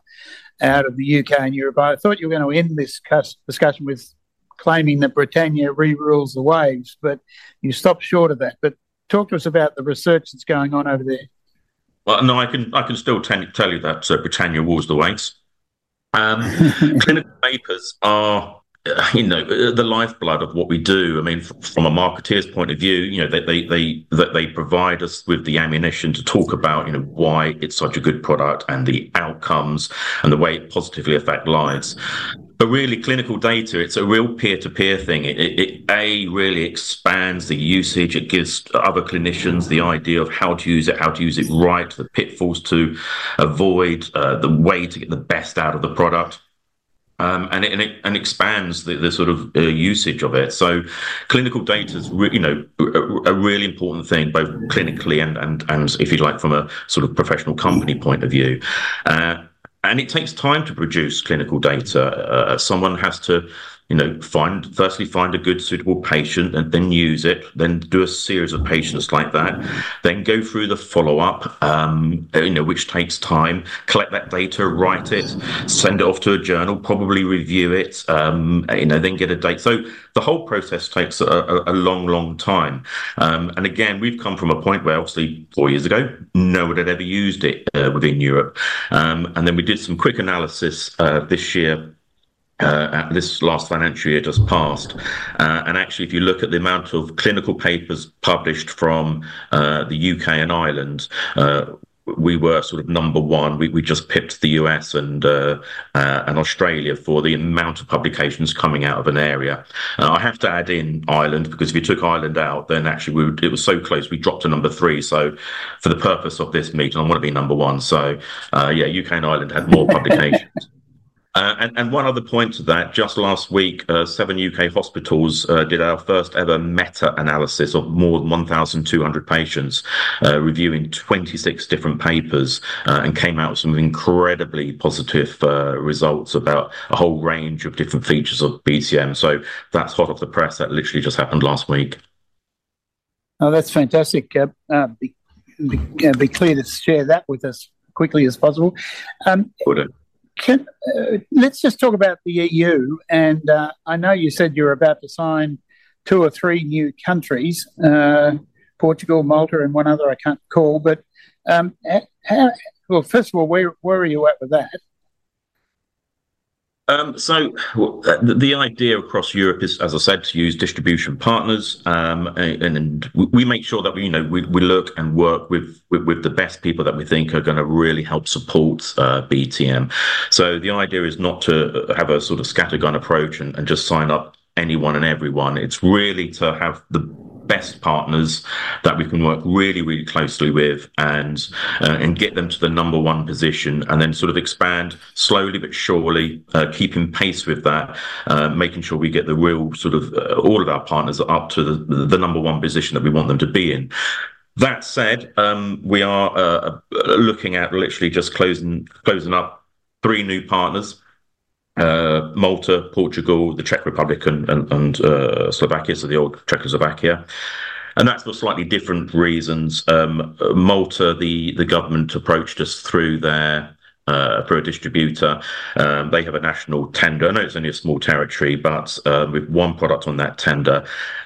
U.K. and Europe. I thought you were going to end this discussion with claiming that Britannia re-rules the waves, but you stopped short of that. But talk to us about the research that's going on over there. No, I can still tell you that, so Britannia rules the waves. Clinical papers are, you know, the lifeblood of what we do. I mean, from a marketeer's point of view, you know, that they provide us with the ammunition to talk about, you know, why it's such a good product, and the outcomes, and the way it positively affect lives. But really, clinical data, it's a real peer-to-peer thing. It really expands the usage. It gives other clinicians the idea of how to use it, how to use it right, the pitfalls to avoid, the way to get the best out of the product, and it expands the sort of usage of it. Clinical data's really important, you know, both clinically and if you'd like, from a sort of professional company point of view. And it takes time to produce clinical data. Someone has to, you know, firstly find a good, suitable patient and then use it, then do a series of patients like that, then go through the follow-up, you know, which takes time. Collect that data, write it, send it off to a journal, probably review it, you know, then get a date. So the whole process takes a long time. And again, we've come from a point where obviously four years ago no one had ever used it within Europe. And then we did some quick analysis this year, at this last financial year just passed. And actually, if you look at the amount of clinical papers published from the U.K. and Ireland, we were sort of number one. We just pipped the U.S. and Australia for the amount of publications coming out of an area. And I have to add in Ireland, because if you took Ireland out, then actually we would... It was so close, we dropped to number three. So for the purpose of this meeting, I want to be number one. So yeah, U.K. and Ireland had more publications. And one other point to that, just last week, seven U.K. hospitals did our first ever meta-analysis of more than 1,200 patients, reviewing 26 different papers, and came out with some incredibly positive results about a whole range of different features of BTM. So that's hot off the press. That literally just happened last week. Oh, that's fantastic. Be clear to share that with us quickly as possible. Got it. Let's just talk about the EU, and I know you said you're about to sign two or three new countries, Portugal, Malta, and one other I can't recall. But how. Well, first of all, where are you at with that? So, the idea across Europe is, as I said, to use distribution partners. And we make sure that, you know, we look and work with the best people that we think are gonna really help support BTM. So the idea is not to have a sort of scattergun approach and just sign up anyone and everyone. It's really to have the best partners that we can work really, really closely with and get them to the number one position, and then sort of expand slowly but surely, keeping pace with that, making sure we get the real sort of all of our partners up to the number one position that we want them to be in. That said, we are looking at literally just closing up three new partners, Malta, Portugal, the Czech Republic, and Slovakia, so the old Czechoslovakia. And that's for slightly different reasons. Malta, the government approached us through their through a distributor. They have a national tender. I know it's only a small territory, but with one product on that tender,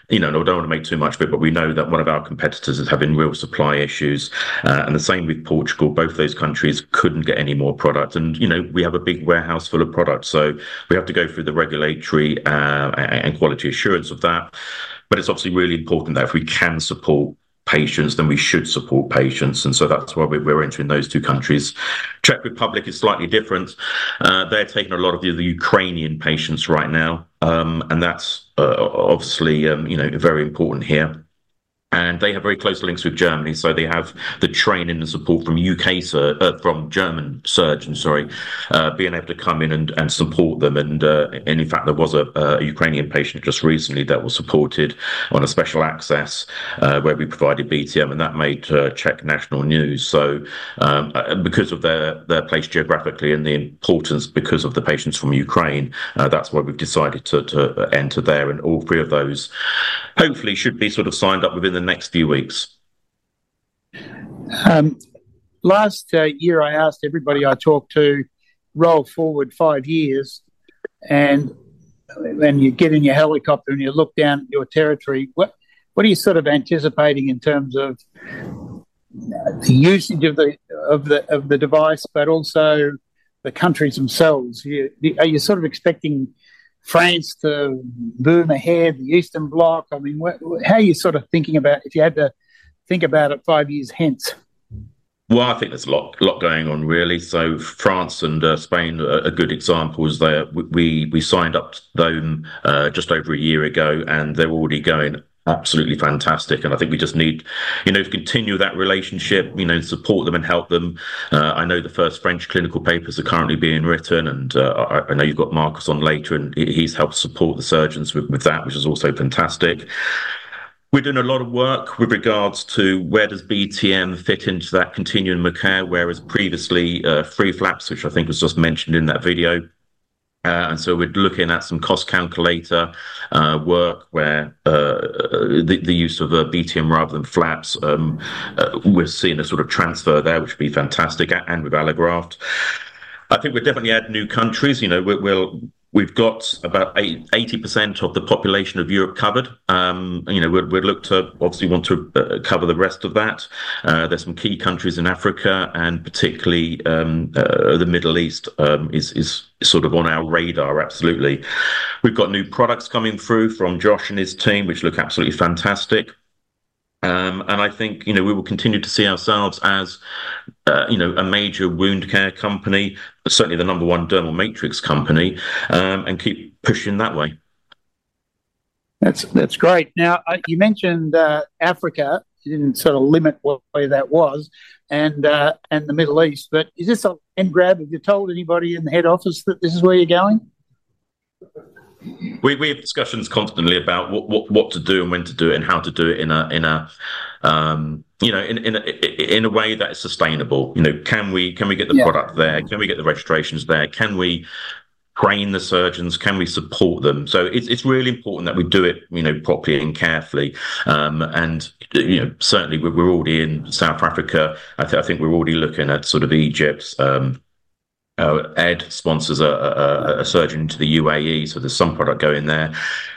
you know, and I don't want to make too much of it, but we know that one of our competitors is having real supply issues and the same with Portugal. Both those countries couldn't get any more product and, you know, we have a big warehouse full of product. So we have to go through the regulatory and quality assurance of that. But it's obviously really important that if we can support patients, then we should support patients, and so that's why we're entering those two countries. Czech Republic is slightly different. They're taking a lot of the Ukrainian patients right now, and that's obviously, you know, very important here. And they have very close links with Germany, so they have the training and support from German surgeons, sorry, being able to come in and support them. And in fact, there was a Ukrainian patient just recently that was supported on a special access, where we provided BTM, and that made Czech national news. So, because of their place geographically and the importance because of the patients from Ukraine, that's why we've decided to enter there. All three of those, hopefully, should be sort of signed up within the next few weeks. Last year, I asked everybody I talked to roll forward five years, and you get in your helicopter and you look down at your territory. What are you sort of anticipating in terms of the usage of the device, but also the countries themselves? Are you sort of expecting France to boom ahead, the Eastern Bloc? I mean, how are you sort of thinking about if you had to think about it five years hence? Well, I think there's a lot going on, really. So France and Spain are good examples there. We signed up to them just over a year ago, and they're already going absolutely fantastic. And I think we just need, you know, to continue that relationship, you know, support them and help them. I know the first French clinical papers are currently being written, and I know you've got Marcus on later, and he's helped support the surgeons with that, which is also fantastic. We're doing a lot of work with regards to where does BTM fit into that continuum of care, whereas previously free flaps, which I think was just mentioned in that video. And so we're looking at some cost calculator work where the use of BTM rather than flaps, we're seeing a sort of transfer there, which would be fantastic, and with Allograft. I think we'll definitely add new countries. You know, we've got about 80% of the population of Europe covered. You know, we'd look to obviously want to cover the rest of that. There's some key countries in Africa and particularly the Middle East is sort of on our radar, absolutely. We've got new products coming through from Josh and his team, which look absolutely fantastic. And I think, you know, we will continue to see ourselves as you know, a major wound care company, certainly the number one dermal matrix company, and keep pushing that way. That's, that's great. Now, you mentioned Africa, you didn't sort of limit what way that was, and the Middle East, but is this a hand grab? Have you told anybody in the head office that this is where you're going? We have discussions constantly about what to do and when to do it and how to do it in a way that is sustainable. You know, can we get the product there? Yeah. Can we get the registrations there? Can we train the surgeons? Can we support them? So it's really important that we do it, you know, properly and carefully. And, you know, certainly we're already in South Africa. I think we're already looking at sort of Egypt. Ed sponsors a surgeon into the UAE, so there's some product going there.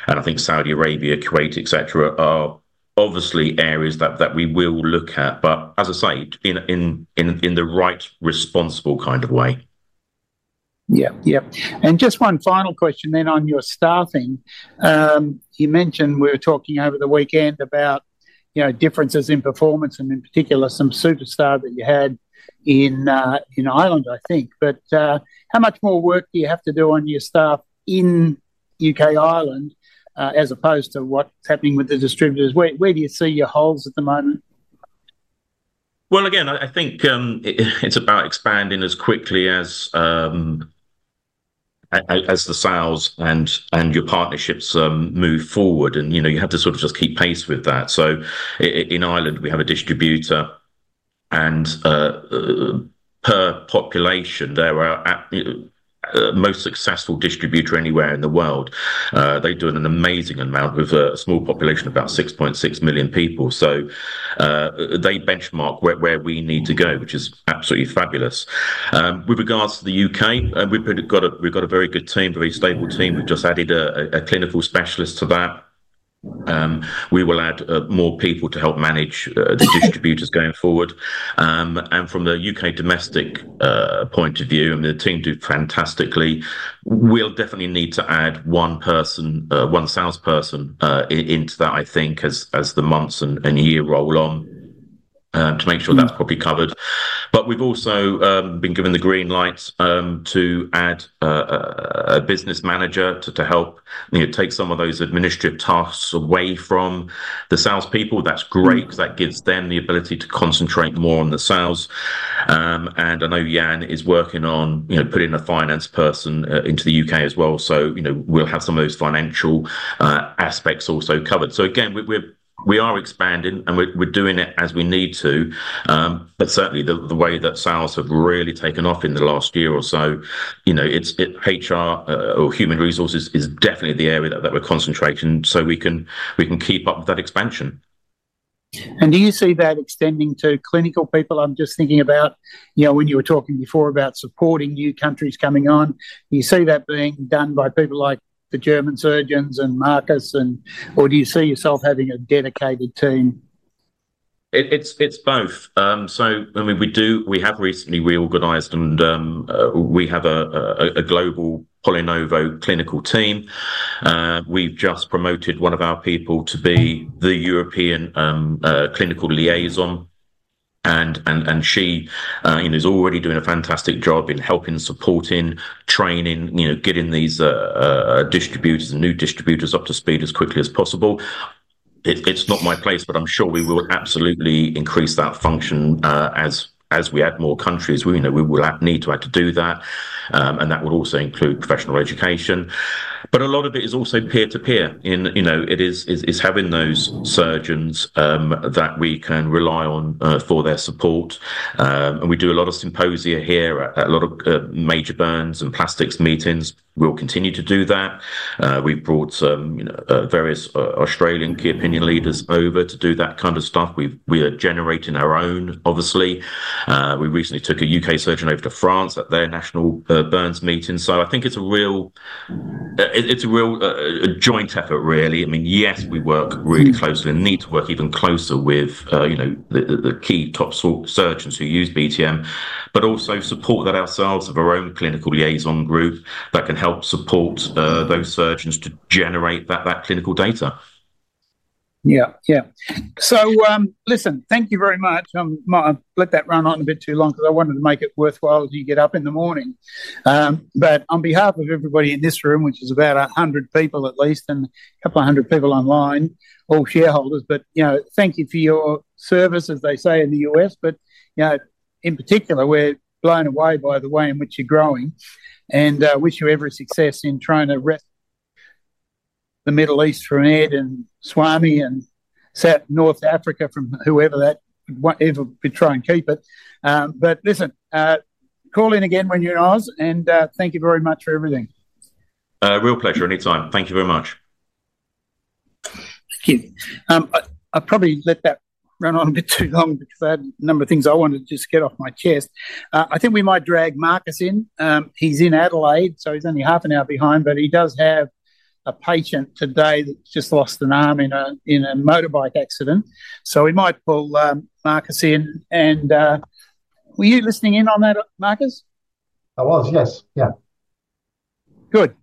And I think Saudi Arabia, Kuwait, et cetera, are obviously areas that we will look at, but as I say, in the right, responsible kind of way. Yeah. Yeah. And just one final question then on your staffing. You mentioned we were talking over the weekend about, you know, differences in performance, and in particular, some superstar that you had in Ireland, I think. But how much more work do you have to do on your staff in UK, Ireland, as opposed to what's happening with the distributors? Where do you see your holes at the moment? Again, I think it's about expanding as quickly as the sales and your partnerships move forward. You know, you have to sort of just keep pace with that. In Ireland, we have a distributor, and per population, they're our most successful distributor anywhere in the world. They're doing an amazing amount with a small population of about 6.6 million people. They benchmark where we need to go, which is absolutely fabulous. With regards to the U.K., we've got a very good team, very stable team. We've just added a clinical specialist to that. We will add more people to help manage the distributors going forward. And from the U.K. domestic point of view, I mean, the team do fantastically. We'll definitely need to add one person, one salesperson, into that, I think, as the months and years roll on, to make sure that's probably covered. But we've also been given the green light to add a business manager to help, you know, take some of those administrative tasks away from the salespeople. That's great because that gives them the ability to concentrate more on the sales. And I know Jan is working on, you know, putting a finance person into the U.K. as well, so, you know, we'll have some of those financial aspects also covered. So again, we're expanding, and we're doing it as we need to. But certainly, the way that sales have really taken off in the last year or so, you know, it's HR or human resources is definitely the area that we're concentrating, so we can keep up with that expansion. Do you see that extending to clinical people? I'm just thinking about, you know, when you were talking before about supporting new countries coming on, do you see that being done by people like the German surgeons and Marcus, and, or do you see yourself having a dedicated team? It's both. So I mean, we have recently reorganized, and we have a global PolyNovo clinical team. We've just promoted one of our people to be the European clinical liaison, and she, you know, is already doing a fantastic job in helping, supporting, training, you know, getting these distributors and new distributors up to speed as quickly as possible. It's not my place, but I'm sure we will absolutely increase that function as we add more countries. We know we will need to do that, and that would also include professional education. But a lot of it is also peer-to-peer, you know, it is having those surgeons that we can rely on for their support. And we do a lot of symposia here, a lot of major burns and plastics meetings. We'll continue to do that. We've brought some, you know, various Australian key opinion leaders over to do that kind of stuff. We are generating our own, obviously. We recently took a UK surgeon over to France at their national burns meeting. So I think it's a real, it's a real joint effort, really. I mean, yes, we work really closely and need to work even closer with you know, the key top surgeons who use BTM, but also support that ourselves, have our own clinical liaison group that can help support those surgeons to generate that clinical data. Yeah. Yeah. So, listen, thank you very much. I might have let that run on a bit too long because I wanted to make it worthwhile as you get up in the morning. But on behalf of everybody in this room, which is about a hundred people at least and a couple of hundred people online, all shareholders, but, you know, thank you for your service, as they say in the U.S. But, you know, in particular, we're blown away by the way in which you're growing, and wish you every success in trying to rest the Middle East from Ed and Swami and South, North Africa from whoever that, whatever try and keep it. But listen, call in again when you're in Oz, and thank you very much for everything. Real pleasure, anytime. Thank you very much. Thank you. I probably let that run on a bit too long because I had a number of things I wanted to just get off my chest. I think we might drag Marcus in. He's in Adelaide, so he's only half an hour behind, but he does have a patient today that just lost an arm in a motorbike accident. So we might pull Marcus in, and were you listening in on that, Marcus? I was, yes. Yeah. Good.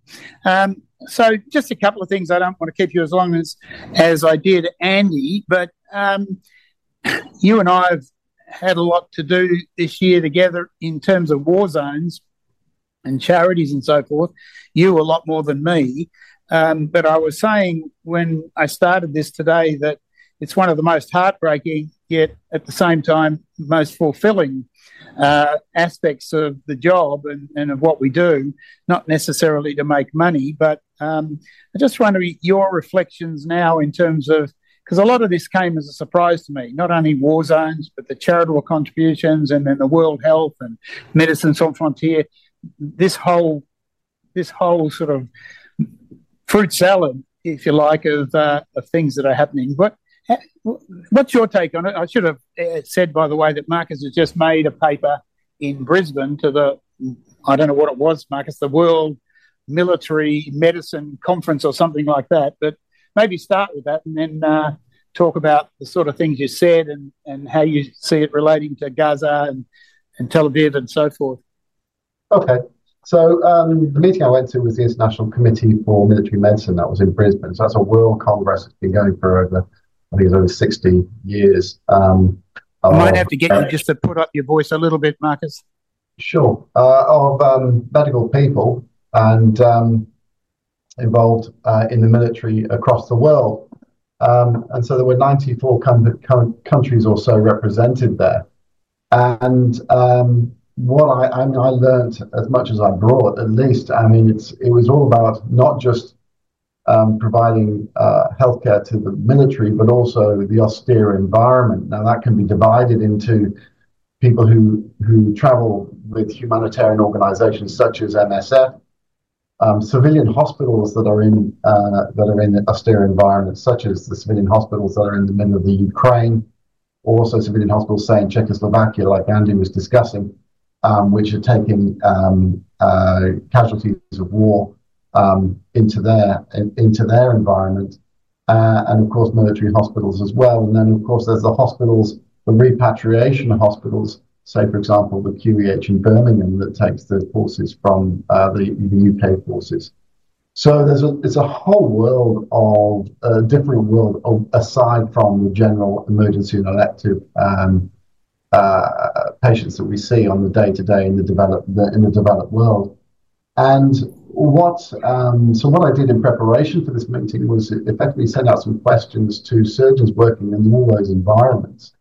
So just a couple of things. I don't want to keep you as long as, as I did Andy, but, you and I have had a lot to do this year together in terms of war zones.... and charities and so forth, you a lot more than me. But I was saying when I started this today, that it's one of the most heartbreaking, yet at the same time, most fulfilling, aspects of the job and, and of what we do, not necessarily to make money. But, I just wonder your reflections now in terms of-- 'cause a lot of this came as a surprise to me, not only war zones, but the charitable contributions and then the World Health Organization and Médecins Sans Frontières, this whole, this whole sort of fruit salad, if you like, of, of things that are happening. But what's your take on it? I should have said, by the way, that Marcus has just made a paper in Brisbane to the, I don't know what it was, Marcus, the World Military Medicine Conference or something like that. But maybe start with that, and then talk about the sort of things you said and, and how you see it relating to Gaza and, and Tel Aviv, and so forth. Okay. So, the meeting I went to was the International Committee for Military Medicine. That was in Brisbane. So that's a world congress that's been going for over, I think, sixty years, okay. I might have to get you just to put up your voice a little bit, Marcus. Sure. Of medical people and involved in the military across the world. And so there were 94 countries or so represented there. And what I and I learned as much as I brought, at least. I mean, it was all about not just providing healthcare to the military, but also the austere environment. Now, that can be divided into people who travel with humanitarian organizations such as MSF, civilian hospitals that are in austere environments, such as the civilian hospitals that are in the middle of the Ukraine, or also civilian hospitals, say, in Slovakia, like Andy was discussing, which are taking casualties of war into their environment, and of course, military hospitals as well. And then, of course, there's the hospitals, the repatriation hospitals, say, for example, the QEH in Birmingham, that takes the forces from the U.K. forces. So there's a whole world of different world of, aside from the general emergency and elective patients that we see on the day-to-day in the developed world. What I did in preparation for this meeting was effectively send out some questions to surgeons working in the war zones environments,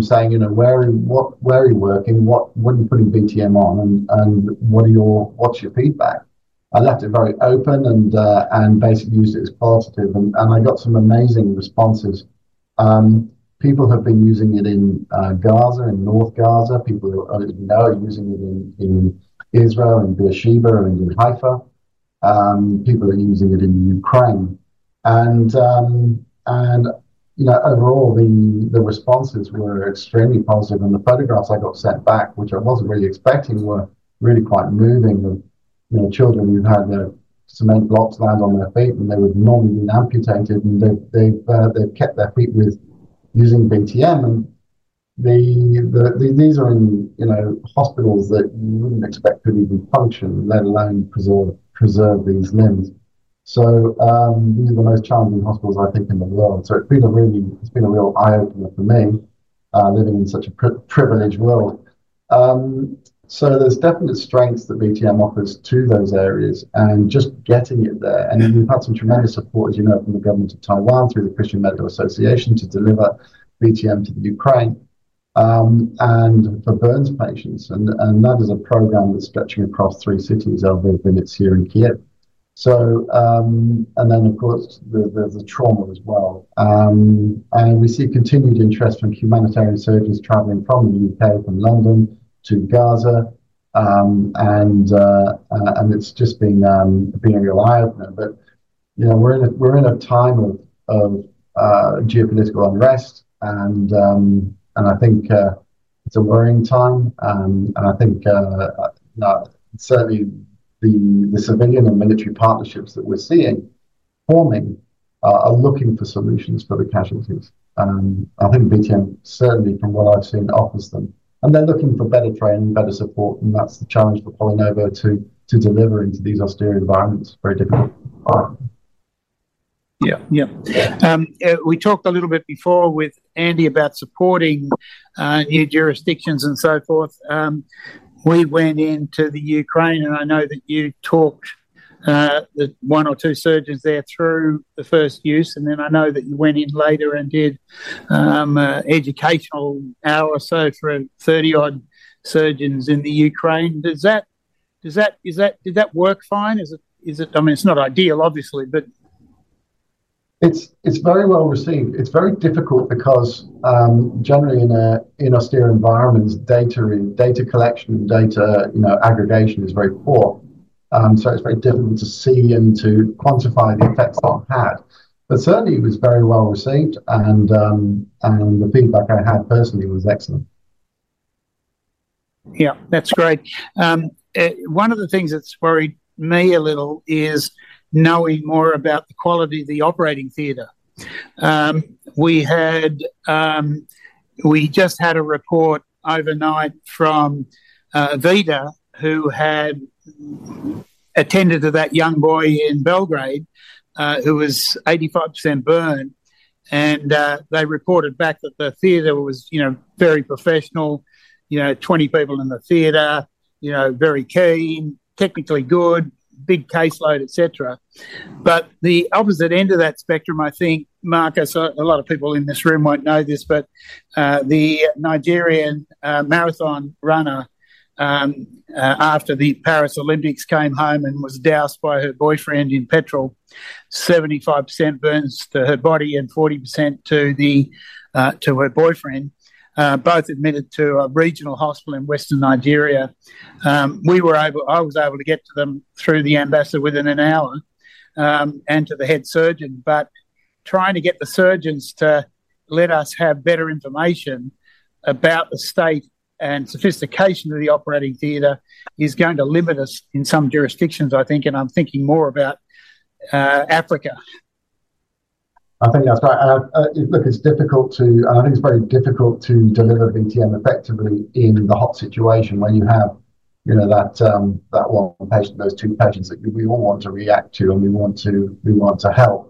saying, you know, where and what, where are you working? What, when are you putting BTM on? And what are your, what's your feedback? I left it very open and, and basically used it as positive, and I got some amazing responses. People have been using it in Gaza, in North Gaza. People who I didn't know are using it in Israel, in Beersheba, and in Haifa. People are using it in Ukraine. And, you know, overall, the responses were extremely positive, and the photographs I got sent back, which I wasn't really expecting, were really quite moving. You know, children who've had their cement blocks land on their feet, and they would normally be amputated, and they've kept their feet with using BTM, and these are in hospitals that you wouldn't expect to even function, let alone preserve these limbs. So, these are the most challenging hospitals, I think, in the world. So it's been a really. It's been a real eye-opener for me, living in such a privileged world. So there's definite strengths that BTM offers to those areas and just getting it there. And we've had some tremendous support, as you know, from the government of Taiwan through the Christian Medical Association, to deliver BTM to the Ukraine, and for burns patients. And that is a program that's stretching across three cities other than it's here in Kyiv. So, and then, of course, there's the trauma as well. And we see continued interest from humanitarian surgeons traveling from the U.K., from London to Gaza, and it's just been a real eye-opener. But, you know, we're in a time of geopolitical unrest, and I think it's a worrying time. I think certainly the civilian and military partnerships that we're seeing forming are looking for solutions for the casualties. I think BTM certainly from what I've seen offers them, and they're looking for better training, better support, and that's the challenge for PolyNovo to deliver into these austere environments. Very difficult. Yeah. Yeah. We talked a little bit before with Andy about supporting new jurisdictions and so forth. We went into the Ukraine, and I know that you talked with one or two surgeons there through the first use, and then I know that you went in later and did educational hour or so for thirty-odd surgeons in the Ukraine. Did that work fine? Is it... I mean, it's not ideal, obviously, but... It's very well received. It's very difficult because generally in austere environments, data collection and aggregation, you know, is very poor, so it's very difficult to see and to quantify the effects that had, but certainly, it was very well received, and the feedback I had personally was excellent. Yeah, that's great. One of the things that's worried me a little is knowing more about the quality of the operating theater. We just had a report overnight from Vida, who attended to that young boy in Belgrade, who was 85% burned, and they reported back that the theater was, you know, very professional, you know, 20 people in the theater, you know, very keen, technically good, big caseload, et cetera. But the opposite end of that spectrum, I think, Marcus, a lot of people in this room won't know this, but the Nigerian marathon runner after the Paris Olympics came home and was doused by her boyfriend in petrol. 75% burns to her body and 40% to her boyfriend. Both admitted to a regional hospital in Western Nigeria. I was able to get to them through the ambassador within an hour, and to the head surgeon. But trying to get the surgeons to let us have better information about the state and sophistication of the operating theater is going to limit us in some jurisdictions, I think, and I'm thinking more about Africa. I think that's right. And, look, it's difficult. I think it's very difficult to deliver BTM effectively in the hot situation where you have, you know, that one patient, those two patients that we all want to react to, and we want to, we want to help.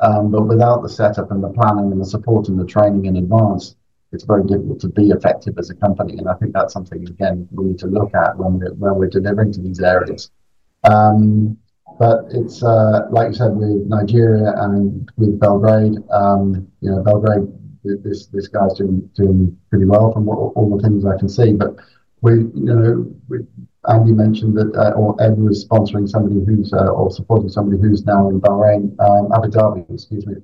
But without the setup and the planning and the support and the training in advance, it's very difficult to be effective as a company, and I think that's something, again, we need to look at when we, when we're delivering to these areas. But it's, like you said, with Nigeria and with Belgrade, you know, Belgrade, this guy's doing pretty well from all the things I can see. But we, you know, we. Andy mentioned that or Ed was supporting somebody who's now in Bahrain, Abu Dhabi, excuse me.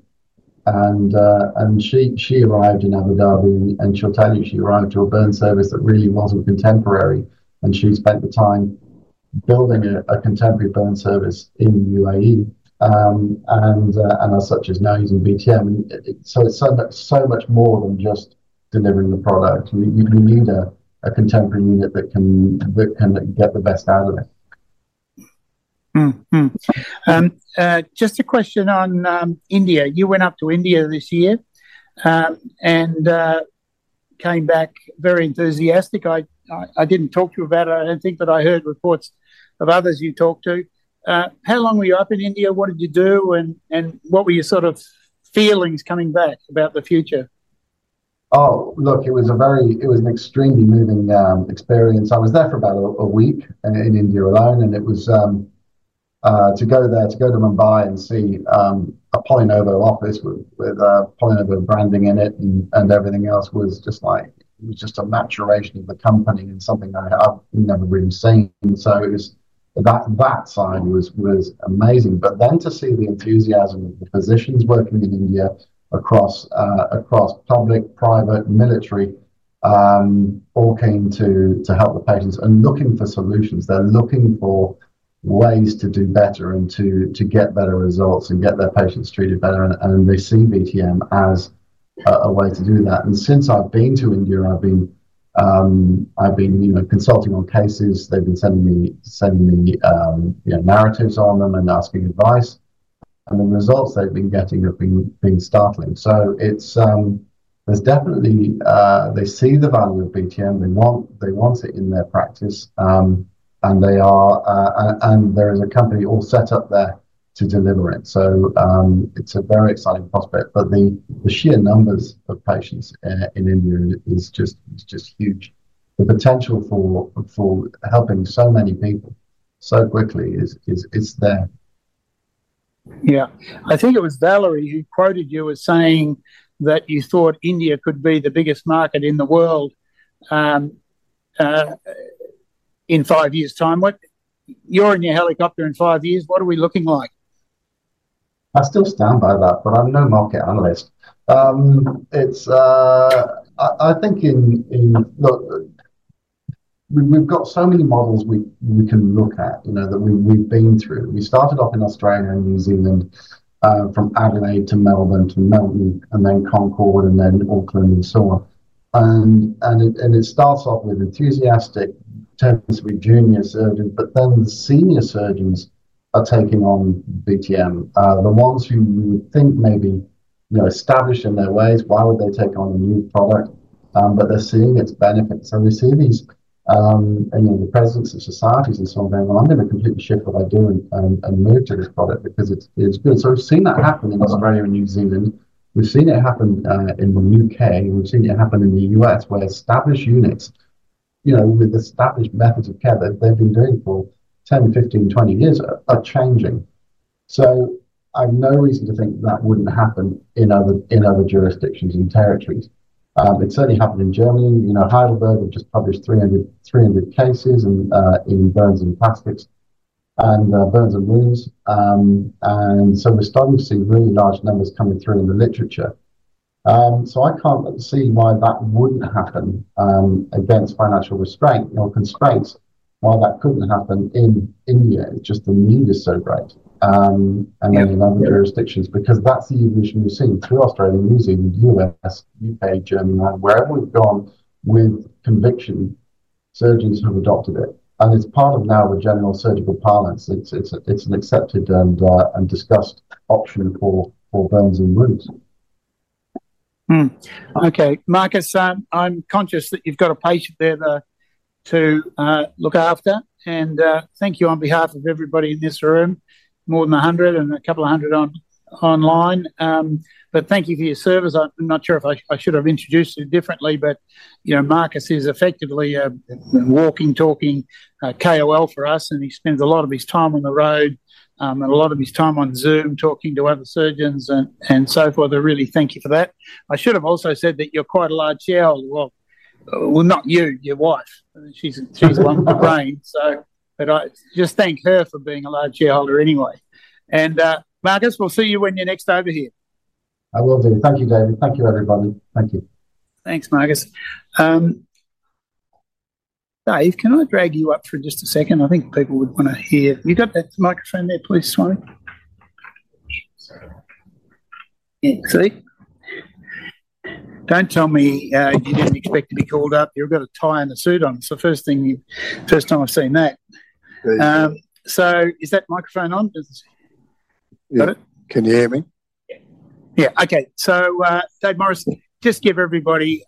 And she arrived in Abu Dhabi, and she'll tell you, she arrived to a burn service that really wasn't contemporary, and she spent the time building a contemporary burn service in UAE, and as such is now using BTM. So it's so much, so much more than just delivering the product. You need a contemporary unit that can get the best out of it. Mm-hmm. Just a question on India. You went up to India this year and came back very enthusiastic. I didn't talk to you about it. I don't think that I heard reports of others you talked to. How long were you up in India? What did you do, and what were your sort of feelings coming back about the future? Oh, look, it was a very, it was an extremely moving experience. I was there for about a week in India alone, and it was to go there, to go to Mumbai and see a PolyNovo office with PolyNovo branding in it and everything else was just like, it was just a maturation of the company and something I've never really seen. So it was... That side was amazing. But then to see the enthusiasm of the physicians working in India across public, private, military, all keen to help the patients and looking for solutions. They're looking for ways to do better and to get better results and get their patients treated better, and they see BTM as a way to do that. And since I've been to India, I've been, you know, consulting on cases. They've been sending me, you know, narratives on them and asking advice, and the results they've been getting have been startling. So it's, there's definitely, they see the value of BTM. They want it in their practice, and they are, and there is a company all set up there to deliver it. So, it's a very exciting prospect, but the sheer numbers of patients in India is just huge. The potential for helping so many people so quickly is there. Yeah. I think it was Valerie who quoted you as saying that you thought India could be the biggest market in the world in five years' time. What-- You're in your helicopter in five years, what are we looking like? I still stand by that, but I'm no market analyst. It's, I think, look, we've got so many models we can look at, you know, that we've been through. We started off in Australia and New Zealand, from Adelaide to Melbourne, and then Concord, and then Auckland, and so on. And it starts off with enthusiastic, tends to be junior surgeons, but then senior surgeons are taking on BTM. The ones who you would think may be, you know, established in their ways, why would they take on a new product? But they're seeing its benefits, and they're seeing these, you know, the presence of societies and so on, going, "Well, I'm gonna completely shift what I do and move to this product because it's good." So we've seen that happen in Australia and New Zealand. We've seen it happen in the U.K., and we've seen it happen in the U.S., where established units, you know, with established methods of care that they've been doing for 10, 15, 20 years, are changing. So I've no reason to think that wouldn't happen in other jurisdictions and territories. It's certainly happened in Germany. You know, Heidelberg have just published 300 cases in burns and plastics and burns and wounds. And so we're starting to see really large numbers coming through in the literature. So I can't see why that wouldn't happen against financial restraint or constraints, why that couldn't happen in India. Just the need is so great, and in other jurisdictions, because that's the evolution we've seen through Australia, New Zealand, U.S., U.K., Germany. Wherever we've gone with conviction, surgeons have adopted it, and it's part of now the general surgical palette. It's an accepted and discussed option for burns and wounds. Okay, Marcus, I'm conscious that you've got a patient there to look after, and thank you on behalf of everybody in this room, more than a hundred and a couple of hundred online. But thank you for your service. I'm not sure if I should have introduced you differently, but you know, Marcus is effectively a walking, talking KOL for us, and he spends a lot of his time on the road, and a lot of his time on Zoom talking to other surgeons and so forth. So really thank you for that. I should have also said that you're quite a large shareholder. Well, not you, your wife. She's the one with the brain, so... But I just thank her for being a large shareholder anyway. Marcus, we'll see you when you're next over here. I will do. Thank you, David. Thank you, everybody. Thank you. Thanks, Marcus. Dave, can I drag you up for just a second? I think people would want to hear. You got that microphone there, please, Swami? Yeah. See, don't tell me you didn't expect to be called up. You've got a tie and a suit on. It's the first time I've seen that. Good. So, is that microphone on? Got it? Yeah. Can you hear me? Yeah. Okay, so, Dave Morris, just give everybody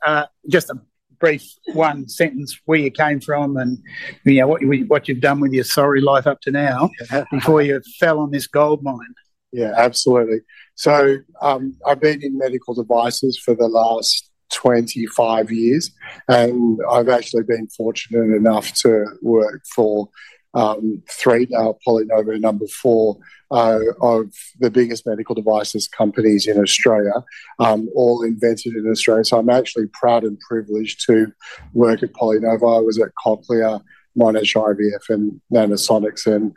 just a brief one sentence where you came from and, you know, what you've done with your sorry life up to now before you fell on this goldmine. Yeah, absolutely. So, I've been in medical devices for the last twenty-five years, and I've actually been fortunate enough to work for three, PolyNovo, number four, of the biggest medical devices companies in Australia, all invented in Australia. So I'm actually proud and privileged to work at PolyNovo. I was at Cochlear, Monash IVF, and Nanosonics, and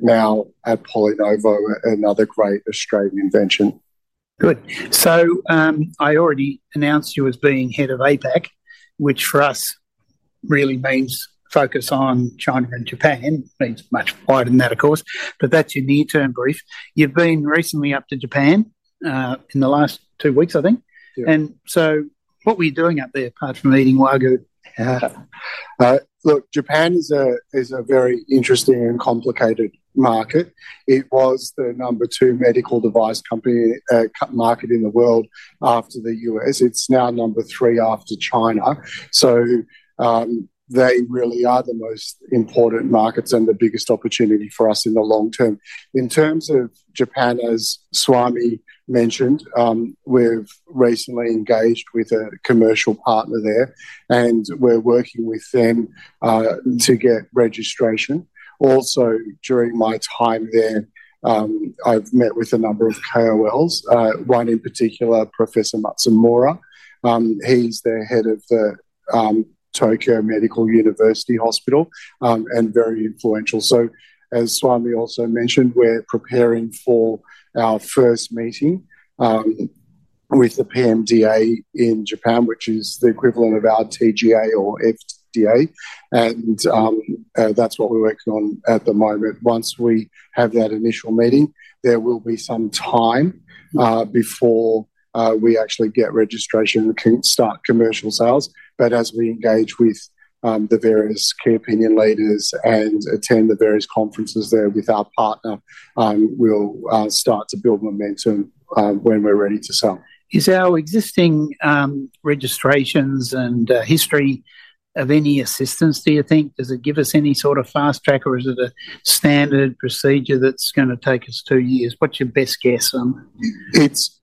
now at PolyNovo, another great Australian invention. Good. So, I already announced you as being head of APAC, which for us really means focus on China and Japan. Means much wider than that, of course, but that's your near-term brief. You've been recently up to Japan, in the last two weeks, I think. Yeah. What were you doing up there, apart from eating wagyu? Look, Japan is a very interesting and complicated market. It was the number two medical device market in the world after the U.S. It's now number three after China. So they really are the most important markets and the biggest opportunity for us in the long term. In terms of Japan, as Swami mentioned, we've recently engaged with a commercial partner there, and we're working with them to get registration. Also, during my time there, I've met with a number of KOLs, one in particular, Professor Matsumura. He's the head of the Tokyo Medical University Hospital, and very influential. So as Swami also mentioned, we're preparing for our first meeting with the PMDA in Japan, which is the equivalent of our TGA or FDA, and that's what we're working on at the moment. Once we have that initial meeting, there will be some time before we actually get registration and can start commercial sales, but as we engage with the various key opinion leaders and attend the various conferences there with our partner, we'll start to build momentum when we're ready to sell. Is our existing registrations and history of any assistance, do you think? Does it give us any sort of fast track, or is it a standard procedure that's going to take us two years? What's your best guess on that? It's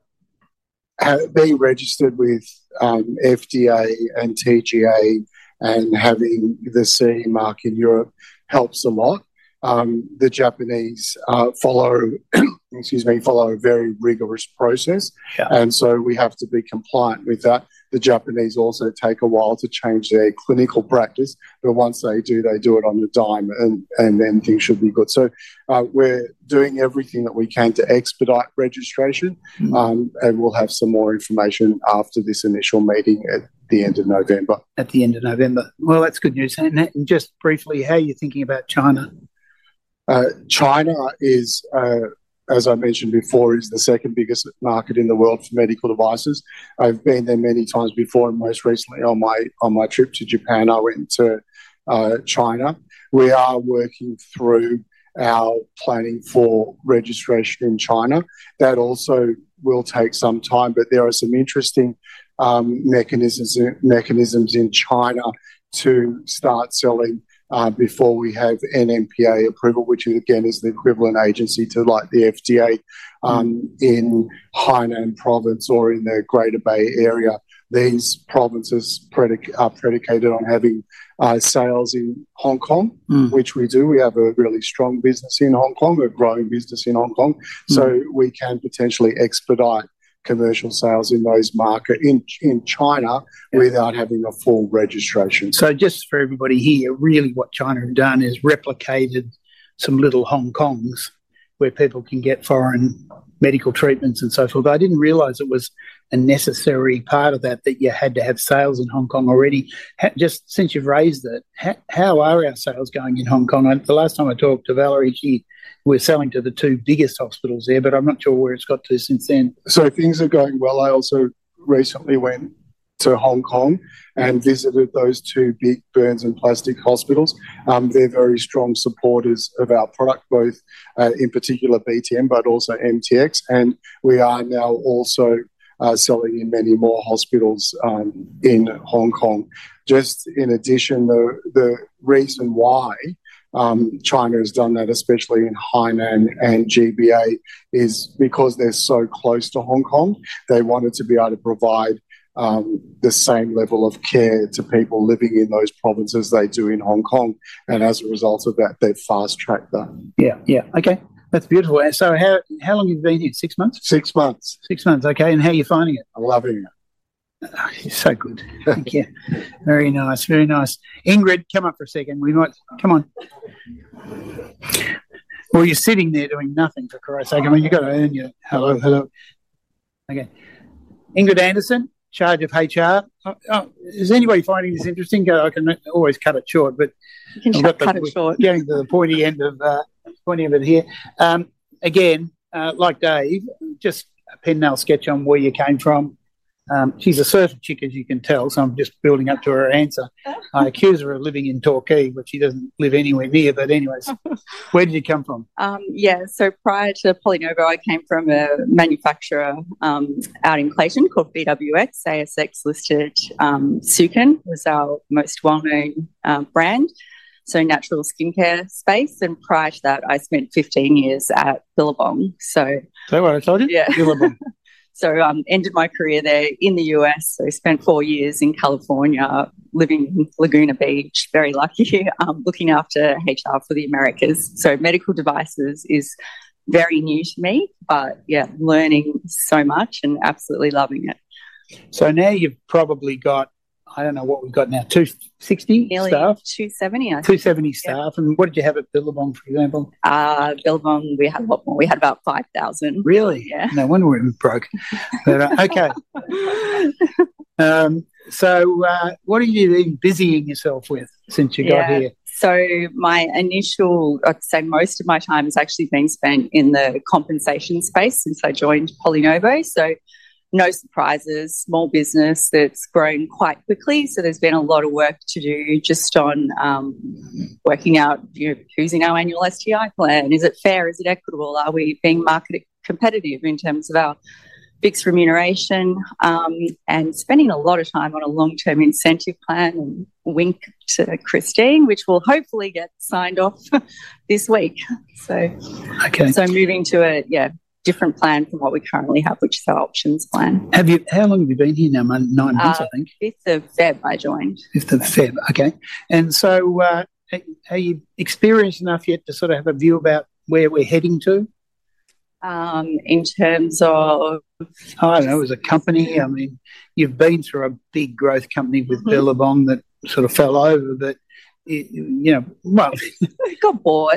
being registered with FDA and TGA and having the CE mark in Europe helps a lot. The Japanese follow a very rigorous process. Yeah. We have to be compliant with that. The Japanese also take a while to change their clinical practice, but once they do, they do it on the dime, and then things should be good. We're doing everything that we can to expedite registration. Mm. and we'll have some more information after this initial meeting at the end of November. At the end of November. Well, that's good news. And just briefly, how are you thinking about China? China is, as I mentioned before, is the second biggest market in the world for medical devices. I've been there many times before, and most recently on my trip to Japan, I went to China. We are working through our planning for registration in China. That also will take some time, but there are some interesting mechanisms in China to start selling before we have NMPA approval, which again is the equivalent agency to like the FDA. In Hainan Province or in the Greater Bay Area, these provinces are predicated on having sales in Hong Kong- Mm Which we do. We have a really strong business in Hong Kong, a growing business in Hong Kong. Mm. So we can potentially expedite commercial sales in those market, in China, without having a full registration. So just for everybody here, really what China have done is replicated some little Hong Kongs, where people can get foreign medical treatments and so forth. But I didn't realize it was a necessary part of that, that you had to have sales in Hong Kong already. Just since you've raised it, how are our sales going in Hong Kong? The last time I talked to Valerie, she... We're selling to the two biggest hospitals there, but I'm not sure where it's got to since then. So things are going well. I also recently went to Hong Kong and visited those two big burns and plastic hospitals. They're very strong supporters of our product, both, in particular BTM, but also MTX, and we are now also selling in many more hospitals in Hong Kong. Just in addition, the reason why China has done that, especially in Hainan and GBA, is because they're so close to Hong Kong. They wanted to be able to provide the same level of care to people living in those provinces they do in Hong Kong, and as a result of that, they've fast-tracked that. Yeah. Yeah. Okay, that's beautiful. And so how, how long you've been here? Six months? Six months. Six months. Okay, and how are you finding it? I'm loving it. Oh, you're so good. Thank you. Very nice, very nice. Ingrid, come up for a second, will you not? Come on. Well, you're sitting there doing nothing, for Christ's sake. I mean, you've got to earn your- Hello, hello. Okay. Ingrid Anderson, in charge of HR. Is anybody finding this interesting? I can always cut it short, but- You can cut it short. We're getting to the pointy end of it here. Again, like Dave, just a pencil sketch on where you came from. She's a surfer chick, as you can tell, so I'm just building up to her answer. I accuse her of living in Torquay, but she doesn't live anywhere near. But anyways, where did you come from? Yeah, so prior to PolyNovo, I came from a manufacturer out in Clayton called BWX, ASX listed. Sukin was our most well-known brand, so natural skincare space, and prior to that, I spent 15 years at Billabong. So- Is that what I told you? Yeah. Billabong. Ended my career there in the U.S., so spent four years in California, living in Laguna Beach. Very lucky. Looking after HR for the Americas. So medical devices is very new to me, but yeah, learning so much and absolutely loving it. So now you've probably got... I don't know what we've got now, 260 staff? Nearly two seventy, I think. 270 staff. Yeah. What did you have at Billabong, for example? Billabong, we had a lot more. We had about five thousand. Really? Yeah. No wonder we were broke, but okay, so what are you then busying yourself with since you got here? Yeah, so I'd say most of my time has actually been spent in the compensation space since I joined PolyNovo. So no surprises, small business that's grown quite quickly, so there's been a lot of work to do just on working out, you know, choosing our annual STI plan. Is it fair? Is it equitable? Are we being market competitive in terms of our fixed remuneration? And spending a lot of time on a long-term incentive plan, and wink to Christine, which will hopefully get signed off this week. So- Okay. So moving to a different plan from what we currently have, which is our options plan. How long have you been here now? Nine months, I think. 5th of February I joined. 5th of February, okay. And so, are you experienced enough yet to sort of have a view about where we're heading to? In terms of- I don't know, as a company. I mean, you've been through a big growth company with- Mm Billabong that sort of fell over, but it, you know, well Good boy.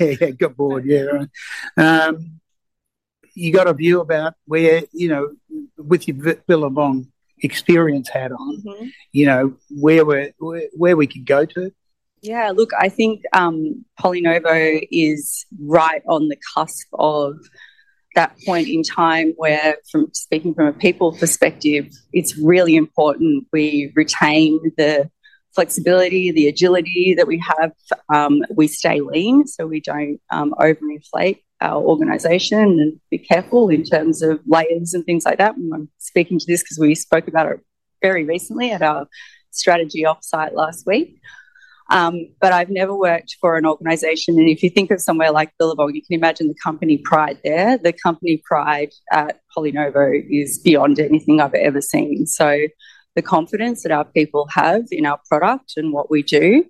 Yeah, good boy, yeah. You got a view about where, you know, with your V- Billabong experience hat on- Mm-hmm You know, where we're, where we could go to? Yeah, look, I think, PolyNovo is right on the cusp of that point in time where, speaking from a people perspective, it's really important we retain the flexibility, the agility that we have. We stay lean, so we don't overinflate our organization and be careful in terms of layers and things like that. And I'm speaking to this 'cause we spoke about it very recently at our strategy offsite last week. But I've never worked for an organization, and if you think of somewhere like Billabong, you can imagine the company pride there. The company pride at PolyNovo is beyond anything I've ever seen. So the confidence that our people have in our product and what we do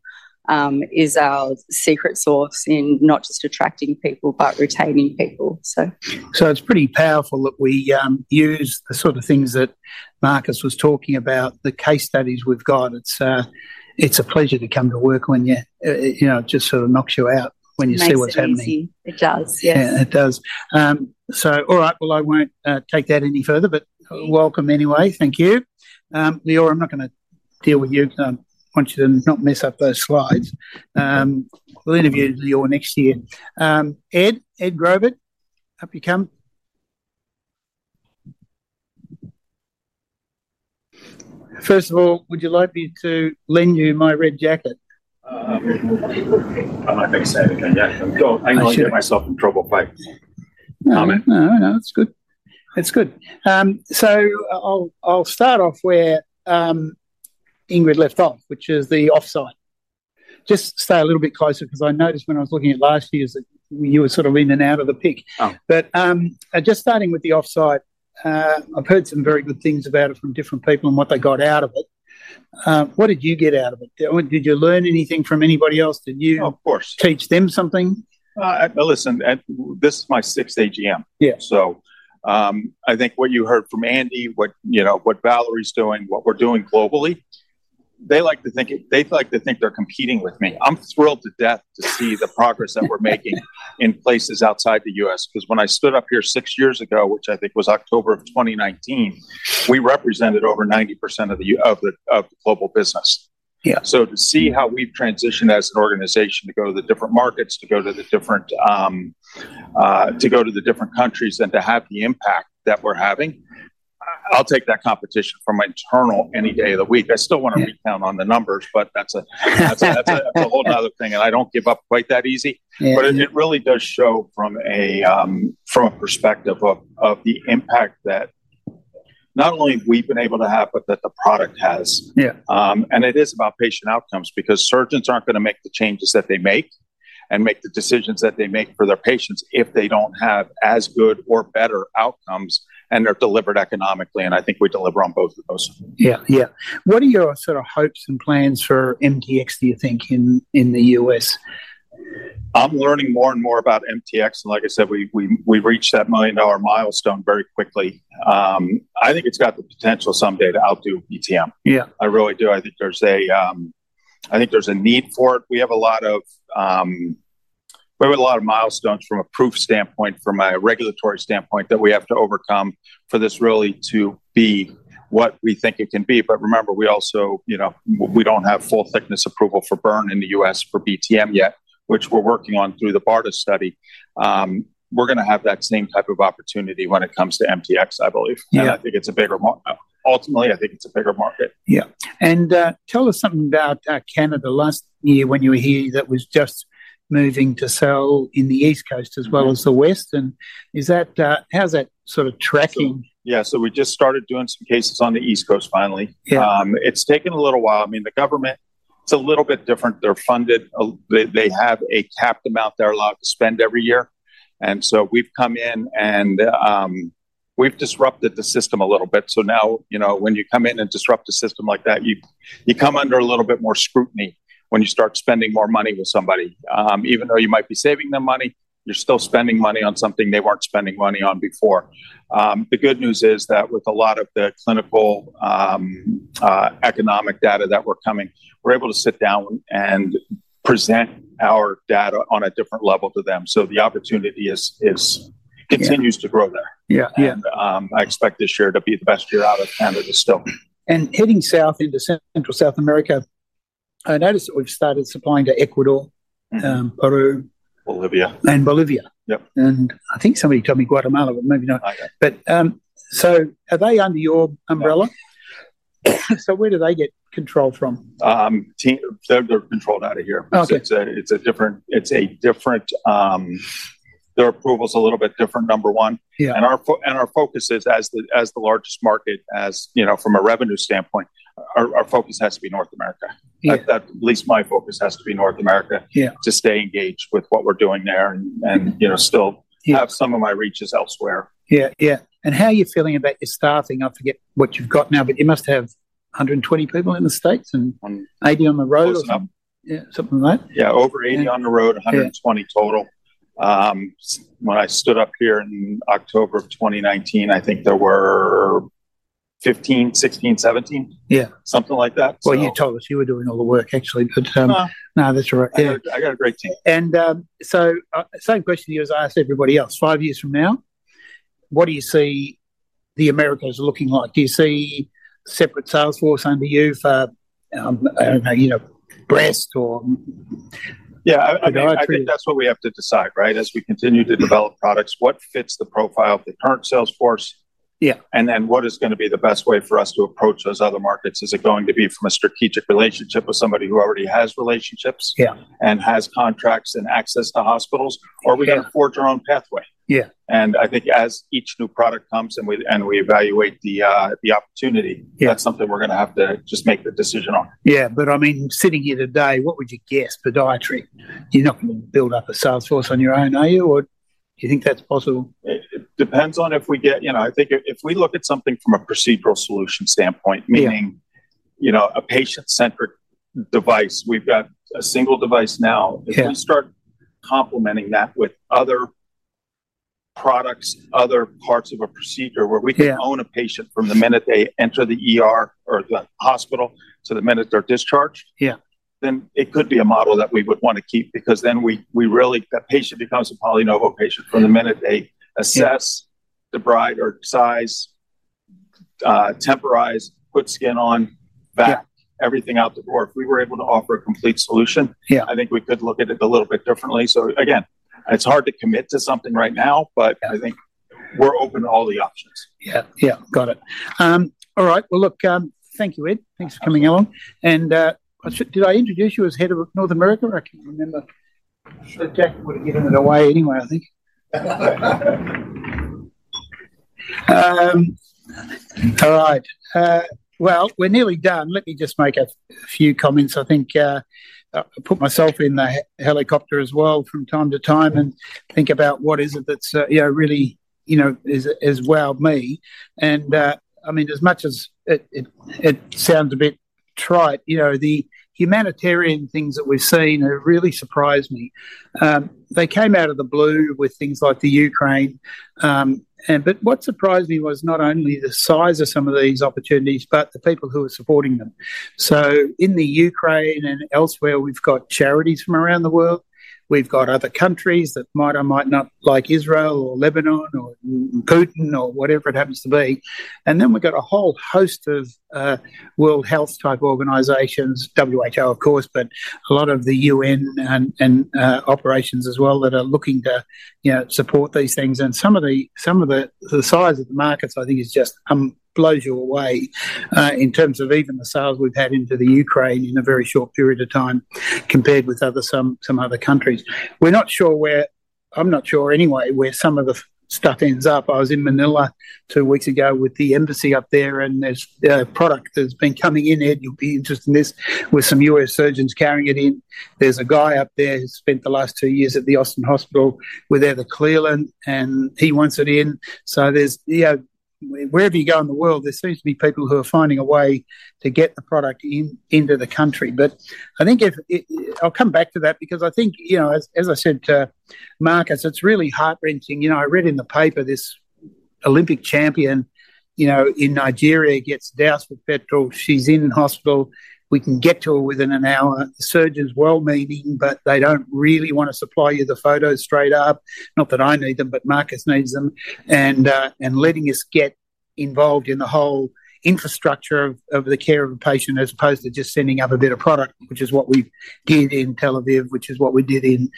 is our secret sauce in not just attracting people, but retaining people, so. So it's pretty powerful that we use the sort of things that Marcus was talking about, the case studies we've got. It's a pleasure to come to work when you... you know, it just sort of knocks you out when you see what's happening. Makes it easy. It does, yes. Yeah, it does. So all right, well, I won't take that any further, but- Yeah Welcome anyway. Thank you. Lior, I'm not gonna deal with you, 'cause I want you to not mess up those slides. We'll interview Lior next year. Ed, Ed Grobet, up you come. First of all, would you like me to lend you my red jacket? I'm not gonna say anything yet. Oh, sure. I know I'll get myself in trouble quick. No, no, it's good. It's good. So I'll start off where Ingrid left off, which is the offsite. Just stay a little bit closer, 'cause I noticed when I was looking at last year's, that you were sort of in and out of the pic. Oh. But, just starting with the offsite, I've heard some very good things about it from different people and what they got out of it. What did you get out of it? Did you learn anything from anybody else? Did you- Of course Teach them something? Listen, Ed, this is my sixth AGM. Yeah. I think what you heard from Andy, you know, what Valerie's doing, what we're doing globally, they like to think they're competing with me. I'm thrilled to death to see the progress that we're making in places outside the U.S., 'cause when I stood up here six years ago, which I think was October of 2019, we represented over 90% of the global business. So to see how we've transitioned as an organization to go to the different markets, to go to the different countries and to have the impact that we're having, I'll take that competition from my internal any day of the week. Yeah. I still want to recount on the numbers, but that's a whole 'nother thing, and I don't give up quite that easy. Yeah. But it really does show from a perspective of the impact that not only we've been able to have, but that the product has. Yeah. It is about patient outcomes, because surgeons aren't gonna make the changes that they make and make the decisions that they make for their patients if they don't have as good or better outcomes and they're delivered economically, and I think we deliver on both of those. Yeah, yeah. What are your sort of hopes and plans for MTX, do you think, in the U.S.? I'm learning more and more about MTX, and like I said, we've reached that $1 million milestone very quickly. I think it's got the potential someday to outdo BTM. Yeah. I really do. I think there's a need for it. We have a lot of milestones from a proof standpoint, from a regulatory standpoint, that we have to overcome for this really to be what we think it can be. But remember, we also, you know, we don't have full thickness approval for burn in the U.S. for BTM yet, which we're working on through the BARDA study. We're gonna have that same type of opportunity when it comes to MTX, I believe. Yeah. I think it's a bigger market. Ultimately, I think it's a bigger market. Yeah. And, tell us something about Canada. Last year when you were here, that was just moving to sell in the East Coast as well as the West, and is that... how's that sort of tracking? Yeah, so we just started doing some cases on the East Coast finally. Yeah. It's taken a little while. I mean, the government, it's a little bit different. They're funded, they have a capped amount they're allowed to spend every year, and so we've come in and we've disrupted the system a little bit. So now, you know, when you come in and disrupt a system like that, you come under a little bit more scrutiny when you start spending more money with somebody. Even though you might be saving them money, you're still spending money on something they weren't spending money on before. The good news is that with a lot of the clinical economic data that we're coming, we're able to sit down and present our data on a different level to them, so the opportunity is- Yeah Continues to grow there. Yeah, yeah. I expect this year to be the best year out of Canada still. And heading south into Central, South America, I noticed that we've started supplying to Ecuador, Peru. Bolivia And Bolivia. Yep. I think somebody told me Guatemala, but maybe not. Okay. But, so are they under your umbrella? So where do they get controlled from? Team, they're controlled out of here. Okay. It's a different. Their approval's a little bit different, number one. Yeah. Our focus is, as the largest market, you know, from a revenue standpoint, our focus has to be North America. Yeah. At least my focus has to be North America- Yeah Just stay engaged with what we're doing there and, you know, still- Yeah Have some of my reaches elsewhere. Yeah, yeah. And how are you feeling about your staffing? I forget what you've got now, but you must have 120 people in the States, and 80 on the road or something? Close enough. Yeah, something like that? Yeah, over 80 on the road- Yeah 120 total. When I stood up here in October of 2019, I think there were 15, 16, 17. Yeah. Something like that. You told us you were doing all the work, actually, but, Nah Nah, that's right. Yeah. I got a great team. Same question to you as I asked everybody else: five years from now, what do you see the Americas looking like? Do you see separate sales force under you for, I don't know, you know, breast or- Yeah, I think- Podiatry That's what we have to decide, right? As we continue to develop products, what fits the profile of the current sales force- Yeah And then what is gonna be the best way for us to approach those other markets? Is it going to be from a strategic relationship with somebody who already has relationships- Yeah And has contracts and access to hospitals? Yeah. Or are we gonna forge our own pathway? Yeah. And I think as each new product comes and we evaluate the opportunity- Yeah That's something we're gonna have to just make the decision on. Yeah, but I mean, sitting here today, what would you guess, podiatry? You're not gonna build up a sales force on your own, are you? Or do you think that's possible? It depends on if we get... You know, I think if we look at something from a procedural solution standpoint. Yeah Meaning, you know, a patient-centric device, we've got a single device now. Yeah. If we start complementing that with other products, other parts of a procedure- Yeah Where we can own a patient from the minute they enter the ER or the hospital to the minute they're discharged- Yeah Then it could be a model that we would wanna keep, because then we really... That patient becomes a PolyNovo patient from the minute they assess- Yeah Debride or size, temporize, put skin on, vac- Yeah Everything out the door. If we were able to offer a complete solution- Yeah I think we could look at it a little bit differently. So again, it's hard to commit to something right now, but- Yeah I think we're open to all the options. Yeah, yeah. Got it. All right. Well, look, thank you, Ed. Thanks for coming along. Okay. Did I introduce you as head of North America? I can't remember. I'm sure Jack would've given it away anyway, I think. All right. Well, we're nearly done. Let me just make a few comments. I think I put myself in the helicopter as well from time to time, and think about what is it that's, you know, really, you know, has wowed me. I mean, as much as it sounds a bit trite, you know, the humanitarian things that we've seen have really surprised me. They came out of the blue with things like the Ukraine, and but what surprised me was not only the size of some of these opportunities, but the people who are supporting them. In the Ukraine and elsewhere, we've got charities from around the world, we've got other countries that might or might not like Israel or Lebanon or Putin or whatever it happens to be, and then we've got a whole host of world health-type organizations, WHO of course, but a lot of the UN and operations as well that are looking to, you know, support these things. Some of the size of the markets I think is just blows you away in terms of even the sales we've had into the Ukraine in a very short period of time, compared with some other countries. We're not sure where. I'm not sure anyway where some of the stuff ends up. I was in Manila two weeks ago with the embassy up there, and there's product that's been coming in, Ed, you'll be interested in this, with some U.S. surgeons carrying it in. There's a guy up there who's spent the last two years at the Austin Hospital with Eva Cleland, and he wants it in. So there's, you know, wherever you go in the world, there seems to be people who are finding a way to get the product in, into the country. But I think if it, I'll come back to that because I think, you know, as I said to Marcus, it's really heart-wrenching. You know, I read in the paper, this Olympic champion, you know, in Nigeria gets doused with petrol. She's in hospital. We can get to her within an hour. The surgeons well-meaning, but they don't really want to supply you the photos straight up. Not that I need them, but Marcus needs them, and letting us get involved in the whole infrastructure of the care of a patient, as opposed to just sending up a bit of product, which is what we did in Tel Aviv, which is what we did in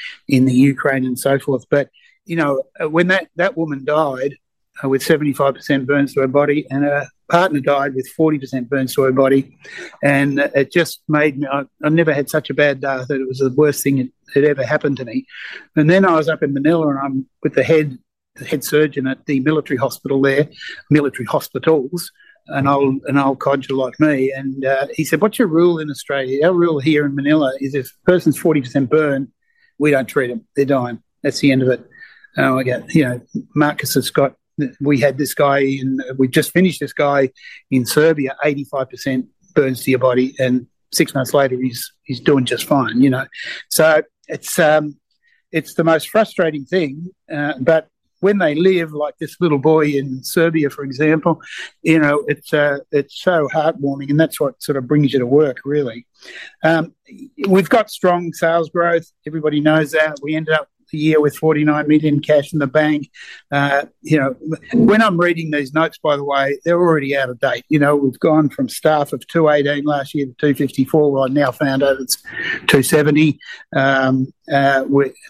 the Ukraine and so forth. But you know, when that woman died with 75% burns to her body, and her partner died with 40% burns to her body, and it just made me... I never had such a bad day. I thought it was the worst thing that had ever happened to me. And then I was up in Manila, and I'm with the head surgeon at the military hospital there, an old codger like me, and he said: "What's your rule in Australia? Our rule here in Manila is if a person's 40% burned, we don't treat them. They're dying. That's the end of it." And I go, "You know, Marcus has got. We had this guy in, we just finished this guy in Serbia, 85% burns to your body, and six months later, he's doing just fine," you know? So it's the most frustrating thing, but when they live, like this little boy in Serbia, for example, you know, it's so heartwarming, and that's what sort of brings you to work, really. We've got strong sales growth. Everybody knows that. We ended up the year with 49 million cash in the bank. You know, when I'm reading these notes, by the way, they're already out of date. You know, we've gone from staff of 218 last year to 254. I now found out it's 270.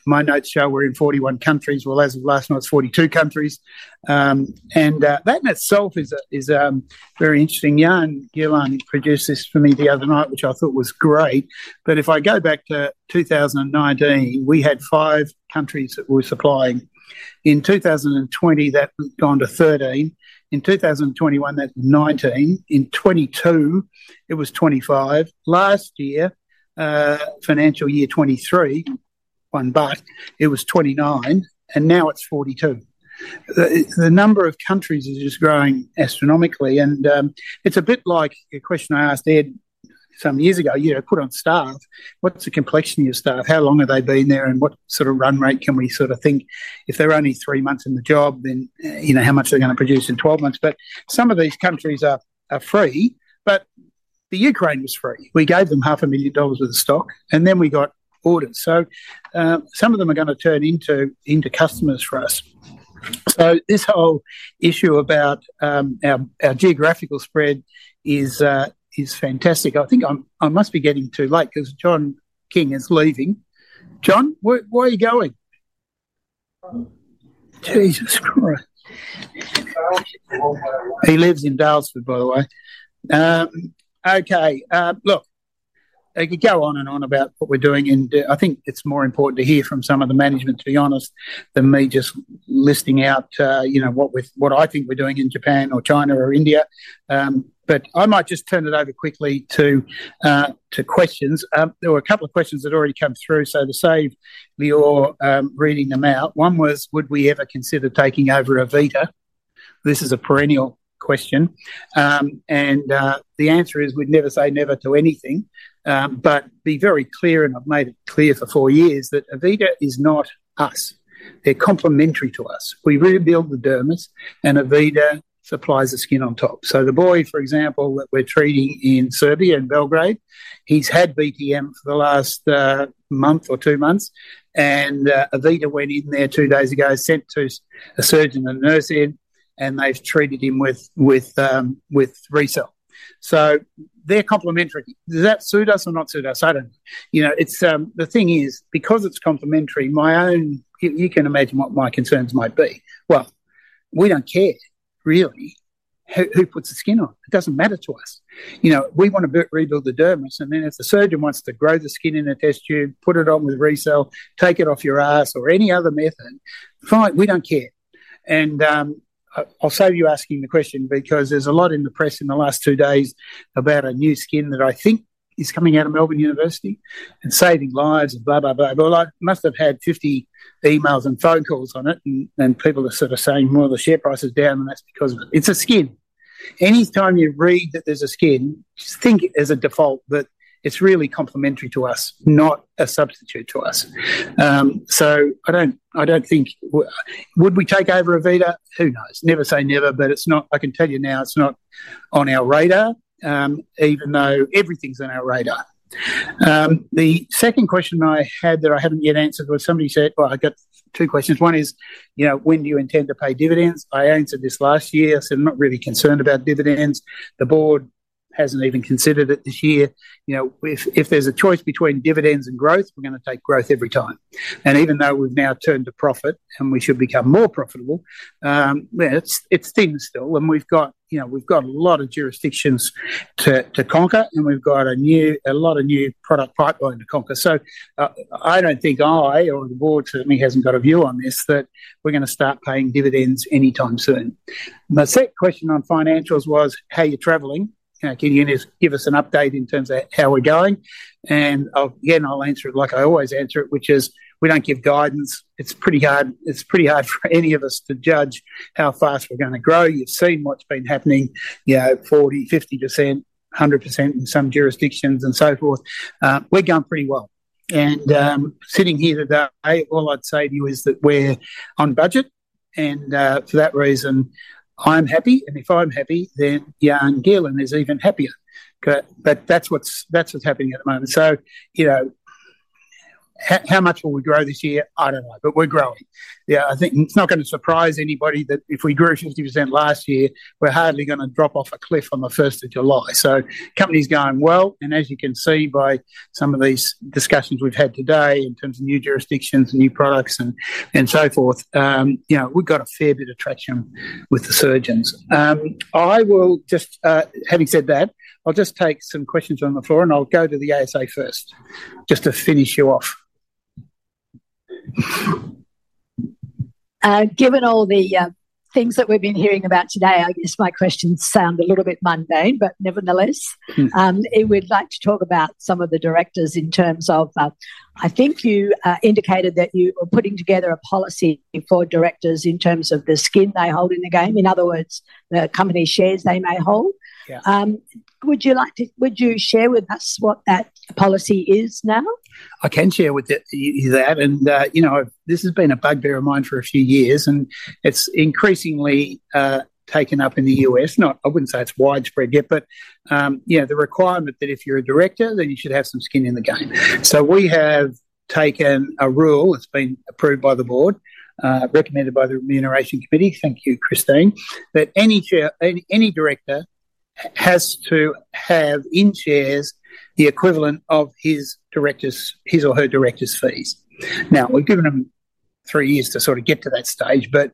My notes show we're in 41 countries. As of last night, it's 42 countries. That in itself is very interesting. Jan Gielen produced this for me the other night, which I thought was great. But if I go back to 2019, we had five countries that we were supplying. In 2020, that had gone to 13. In 2021, that was 19. In 2022, it was 25. Last year, financial year 2023, one buck, it was 29, and now it's 42. The number of countries is just growing astronomically, and it's a bit like a question I asked Ed some years ago: "You know, put on staff, what's the complexion of your staff? How long have they been there, and what sort of run rate can we sort of think? If they're only three months in the job, then you know, how much are they gonna produce in twelve months?" But some of these countries are free, but the Ukraine was free. We gave them 500,000 dollars worth of stock, and then we got orders. So some of them are gonna turn into customers for us. So this whole issue about our geographical spread is fantastic. I think I must be getting too late 'cause John King is leaving. John, where are you going? Jesus Christ! He lives in Daylesford, by the way. Okay, look, I could go on and on about what we're doing, and I think it's more important to hear from some of the management, to be honest, than me just listing out, you know, what I think we're doing in Japan or China or India, but I might just turn it over quickly to questions. There were a couple of questions that already come through, so to save Lior reading them out, one was: "Would we ever consider taking over Avita?" This is a perennial question, and the answer is, we'd never say never to anything, but be very clear, and I've made it clear for four years, that Avita is not us. They're complementary to us. We rebuild the dermis, and Avita supplies the skin on top. So the boy, for example, that we're treating in Serbia, in Belgrade, he's had BTM for the last month or two months, and Avita went in there two days ago, sent a surgeon and a nurse in, and they've treated him with ReCell. So they're complementary. Does that suit us or not suit us? I don't... You know, it's the thing is, because it's complementary, my own-- You can imagine what my concerns might be. Well, we don't care, really, who puts the skin on. It doesn't matter to us. You know, we want to build, rebuild the dermis, and then if the surgeon wants to grow the skin in a test tube, put it on with ReCell, take it off your ass, or any other method, fine, we don't care. I'll save you asking the question because there's a lot in the press in the last two days about a new skin that I think is coming out of Melbourne University and saving lives and blah, blah, blah. I must have had 50 emails and phone calls on it, and people are sort of saying, "Well, the share price is down," and that's because it's a skin. Anytime you read that there's a skin, just think as a default that it's really complementary to us, not a substitute to us. So I don't think. Would we take over Avita? Who knows? Never say never, but it's not, I can tell you now, it's not on our radar, even though everything's on our radar. The second question I had that I haven't yet answered was somebody said... I've got two questions. One is, you know, "When do you intend to pay dividends?" I answered this last year. I said, "I'm not really concerned about dividends." The board hasn't even considered it this year. You know, if there's a choice between dividends and growth, we're gonna take growth every time. And even though we've now turned a profit, and we should become more profitable, well, it's thin still, and we've got, you know, we've got a lot of jurisdictions to conquer, and we've got a lot of new product pipeline to conquer. So, I don't think I, or the board certainly hasn't got a view on this, that we're gonna start paying dividends anytime soon. The second question on financials was, how are you traveling? Can you just give us an update in terms of how we're going? And I'll... Again, I'll answer it like I always answer it, which is, we don't give guidance. It's pretty hard, it's pretty hard for any of us to judge how fast we're gonna grow. You've seen what's been happening, you know, 40%, 50%, 100% in some jurisdictions, and so forth. We're going pretty well. And, sitting here today, all I'd say to you is that we're on budget, and, for that reason, I'm happy, and if I'm happy, then Jan Gielen is even happier. But that's what's happening at the moment. So, you know, how much will we grow this year? I don't know, but we're growing. Yeah, I think it's not gonna surprise anybody that if we grew 50% last year, we're hardly gonna drop off a cliff on the 1st of July. So the company's going well, and as you can see by some of these discussions we've had today, in terms of new jurisdictions and new products and so forth, you know, we've got a fair bit of traction with the surgeons. Having said that, I'll just take some questions from the floor, and I'll go to the ASA first, just to finish you off. Given all the things that we've been hearing about today, I guess my questions sound a little bit mundane, but nevertheless. We'd like to talk about some of the directors in terms of, I think you indicated that you are putting together a policy for directors in terms of the skin they hold in the game. In other words, the company shares they may hold. Yeah. Would you share with us what that policy is now? I can share with you that. And, you know, this has been a bugbear of mine for a few years, and it's increasingly taken up in the US. Not, I wouldn't say it's widespread yet, but, you know, the requirement that if you're a director, then you should have some skin in the game. So we have taken a rule that's been approved by the board, recommended by the Remuneration Committee, thank you, Christine, that any chair, any director has to have, in shares, the equivalent of his director's, his or her director's fees. Now, we've given them three years to sort of get to that stage, but,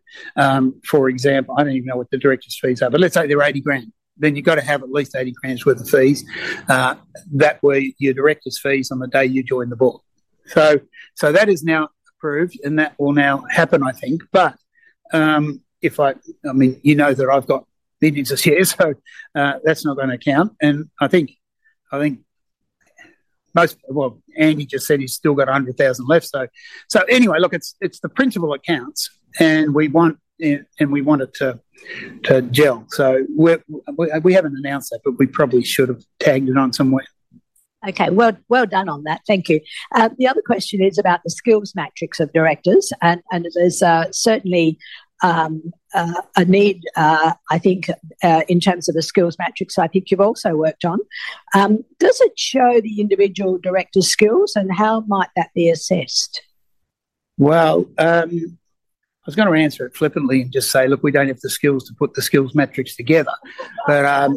for example, I don't even know what the director's fees are, but let's say they're 80,000. Then you've got to have at least eighty grand's worth of fees, that were your director's fees on the day you joined the board. So that is now approved, and that will now happen, I think. But if I... I mean, you know that I've got millions of shares, so that's not gonna count. And I think most... Well, Andy just said he's still got a hundred thousand left, so anyway, look, it's the principle that counts, and we want... And we want it to gel. So we haven't announced that, but we probably should have tagged it on somewhere. Okay. Well done on that. Thank you. The other question is about the skills matrix of directors, and there's certainly a need, I think, in terms of the skills matrix I think you've also worked on. Does it show the individual director's skills, and how might that be assessed? I was gonna answer it flippantly and just say: Look, we don't have the skills to put the skills matrix together. I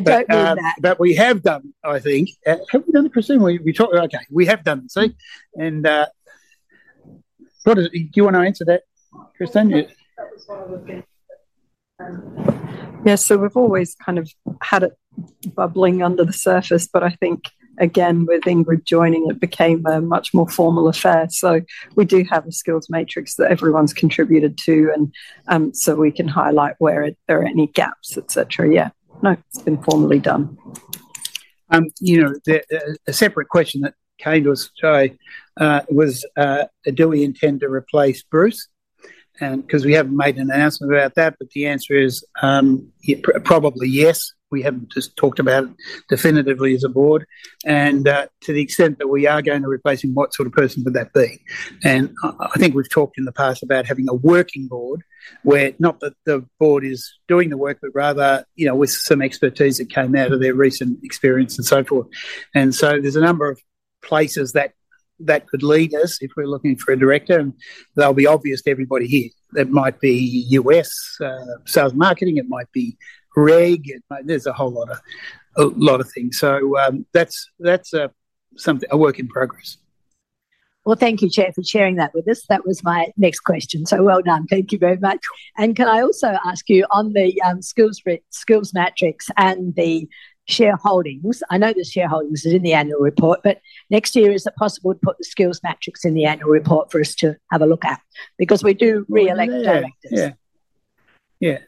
don't mean that. But we have done it, I think. Haven't we done it, Christine? We talked... Okay, we have done it, see? And, what is it... Do you want to answer that, Christine? Yeah. That was what I was getting at. Yeah, so we've always kind of had it bubbling under the surface, but I think, again, with Ingrid joining, it became a much more formal affair. So we do have a skills matrix that everyone's contributed to, and so we can highlight where there are any gaps, et cetera. Yeah. No, it's been formally done. You know, a separate question that came to us today was, do we intend to replace Bruce? And, 'cause we haven't made an announcement about that, but the answer is, yeah, probably yes. We haven't just talked about it definitively as a board, and to the extent that we are going to replace him, what sort of person would that be? And I think we've talked in the past about having a working board, where, not that the board is doing the work, but rather, you know, with some expertise that came out of their recent experience and so forth. And so there's a number of places that could lead us if we're looking for a director, and they'll be obvious to everybody here. It might be U.S. sales marketing, it might be reg, it might... There's a whole lot of things. So, that's a work in progress. Thank you, Chair, for sharing that with us. That was my next question, so well done. Thank you very much. Can I also ask you, on the skills matrix and the shareholdings? I know the shareholdings is in the annual report, but next year, is it possible to put the skills matrix in the annual report for us to have a look at? Because we do re-elect directors. Yeah.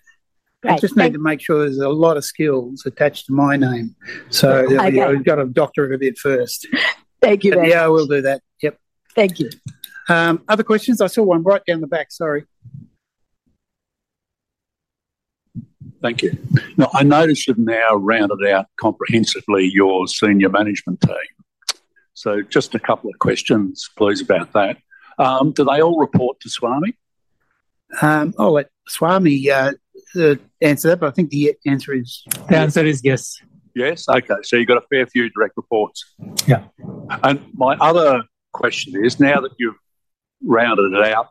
Great. I just need to make sure there's a lot of skills attached to my name, so. Okay. We've got to doctor it a bit first. Thank you very much. Yeah, we'll do that. Yep. Thank you. Other questions? I saw one right down the back, sorry. Thank you. Now, I noticed you've now rounded out comprehensively your senior management team. So just a couple of questions, please, about that. Do they all report to Swami? Oh, let Swami answer that, but I think the answer is. The answer is yes. Yes? Okay, so you've got a fair few direct reports. Yeah. My other question is, now that you've rounded it out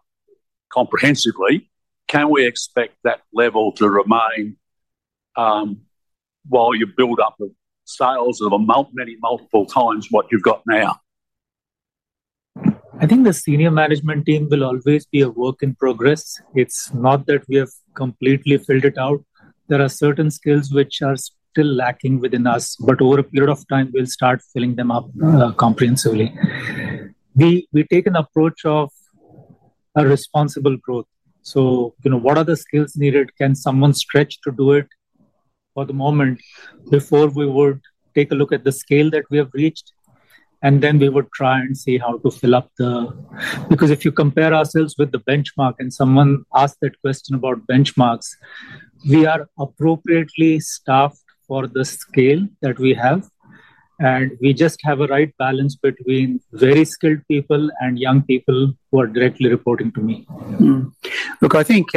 comprehensively, can we expect that level to remain while you build up the sales of many multiple times what you've got now? I think the senior management team will always be a work in progress. It's not that we have completely filled it out. There are certain skills which are still lacking within us, but over a period of time, we'll start filling them up comprehensively. We take an approach of a responsible growth. So, you know, what are the skills needed? Can someone stretch to do it for the moment before we would take a look at the scale that we have reached, and then we would try and see how to fill up the... Because if you compare ourselves with the benchmark, and someone asked that question about benchmarks, we are appropriately staffed for the scale that we have, and we just have a right balance between very skilled people and young people who are directly reporting to me. Look, I think,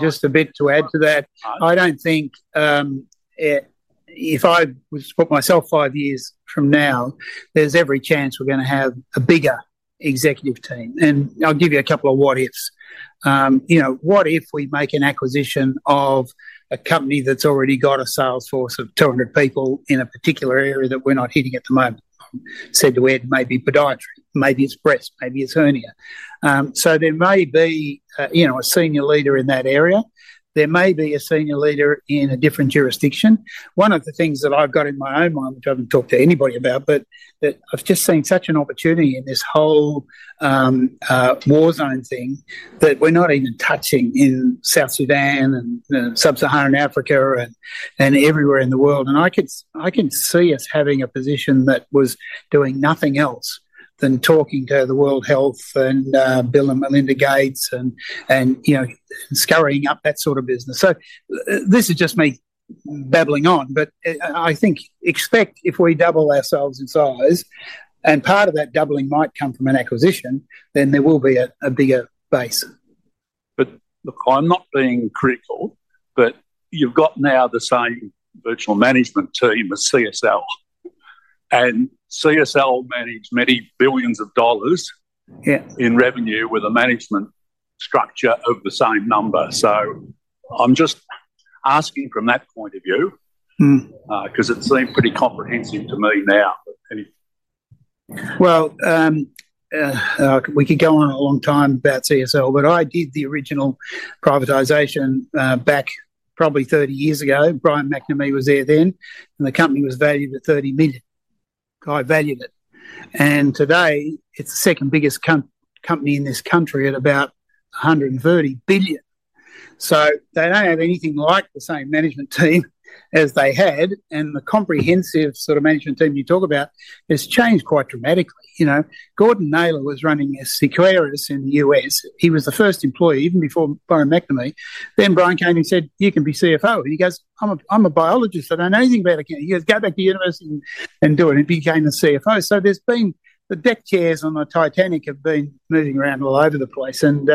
just a bit to add to that. I don't think if I was to put myself five years from now, there's every chance we're gonna have a bigger executive team. And I'll give you a couple of what-ifs. You know, what if we make an acquisition of a company that's already got a sales force of 200 people in a particular area that we're not hitting at the moment? Say, to where it may be podiatry, maybe it's breast, maybe it's hernia. So there may be, you know, a senior leader in that area. There may be a senior leader in a different jurisdiction. One of the things that I've got in my own mind, which I haven't talked to anybody about, but that I've just seen such an opportunity in this whole war zone thing, that we're not even touching in South Sudan and Sub-Saharan Africa and everywhere in the world. And I can see us having a position that was doing nothing else than talking to the World Health and Bill and Melinda Gates, and you know, scurrying up that sort of business. So this is just me babbling on, but I think... Except if we double ourselves in size, and part of that doubling might come from an acquisition, then there will be a bigger base. But look, I'm not being critical, but you've got now the same virtual management team as CSL, and CSL managed many billions of dollars. Yeah In revenue with a management structure of the same number. So I'm just asking from that point of view. Mm 'cause it seems pretty comprehensive to me now, but any. We could go on a long time about CSL, but I did the original privatization back probably 30 years ago. Brian McNamee was there then, and the company was valued at 30 million. I valued it. And today, it's the second biggest company in this country at about 130 billion. So they don't have anything like the same management team as they had, and the comprehensive sort of management team you talk about has changed quite dramatically. You know, Gordon Naylor was running Seqirus in the US. He was the first employee, even before Brian McNamee. Then Brian came and said, "You can be CFO." He goes, "I'm a biologist. I don't know anything about accounting." He goes, "Go back to university and do it," and he became the CFO. So there's been... The deck chairs on the Titanic have been moving around all over the place, and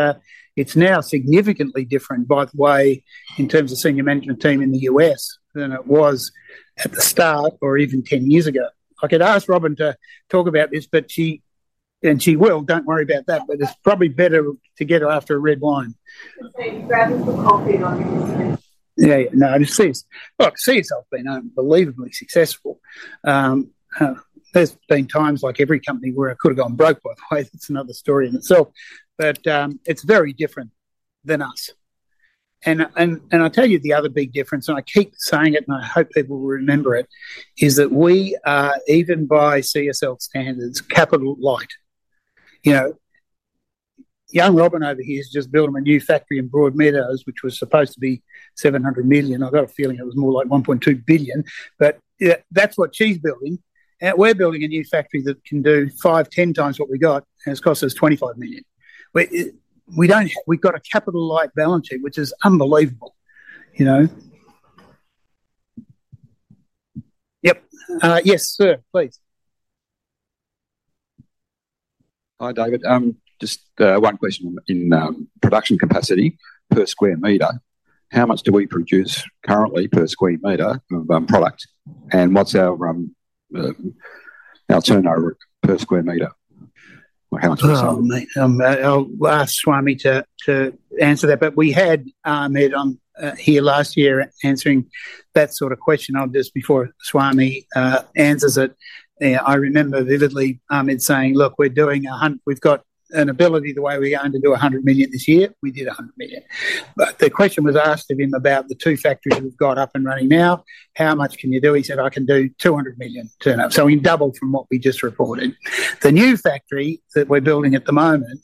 it's now significantly different, by the way, in terms of senior management team in the U.S. than it was at the start or even ten years ago. I could ask Robin to talk about this, but she... and she will, don't worry about that, but it's probably better to get her after a red wine. She said, "Grab her for coffee not..." Yeah, yeah. No, look, CSL have been unbelievably successful. There's been times, like every company, where it could have gone broke, by the way, that's another story in itself. But it's very different than us. And I'll tell you the other big difference, and I keep saying it, and I hope people will remember it, is that we are, even by CSL standards, capital light. You know, young Robin over here has just built them a new factory in Broadmeadows, which was supposed to be 700 million. I've got a feeling it was more like 1.2 billion, but, yeah, that's what she's building. And we're building a new factory that can do five, ten times what we got, and it's cost us 25 million. We've got a capital light balance sheet, which is unbelievable, you know? Yep. Yes, sir, please. Hi, David. Just one question in production capacity per square meter. How much do we produce currently per square meter of product? And what's our turnover per square meter, or how much we sell? Oh, mate. I'll ask Swami to answer that, but we had Ahmed here last year answering that sort of question. I'll just before Swami answers it, I remember vividly Ahmed saying: "Look, we've got the ability the way we are going to do 100 million this year." We did 100 million. But the question was asked of him about the two factories we've got up and running now, "How much can you do?" He said, "I can do 200 million turnover." So he doubled from what we just reported. The new factory that we're building at the moment,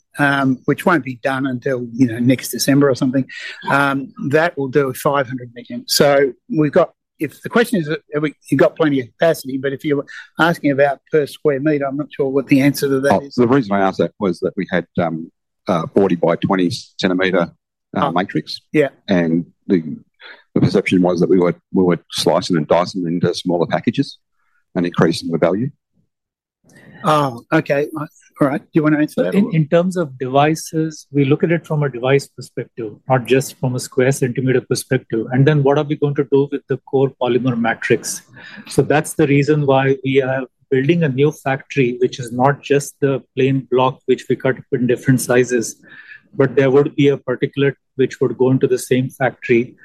which won't be done until next December or something, that will do 500 million. So we've got... If the question is, have we, you got plenty of capacity, but if you're asking about per square meter, I'm not sure what the answer to that is. Oh, the reason I asked that was that we had 40 by 20 centimeter matrix. Yeah. The perception was that we were slicing and dicing into smaller packages and increasing the value? Okay. All right. Do you want to answer that or? In terms of devices, we look at it from a device perspective, not just from a square centimeter perspective. And then what are we going to do with the core polymer matrix? So that's the reason why we are building a new factory, which is not just the plain block, which we cut in different sizes, but there would be a particulate which would go into the same factory,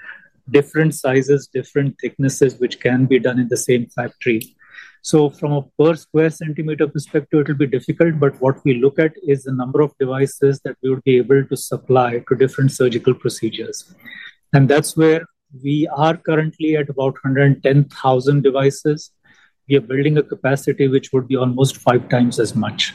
different sizes, different thicknesses, which can be done in the same factory. So from a per square centimeter perspective, it'll be difficult, but what we look at is the number of devices that we would be able to supply to different surgical procedures. And that's where we are currently at about 110,000 devices. We are building a capacity which would be almost five times as much.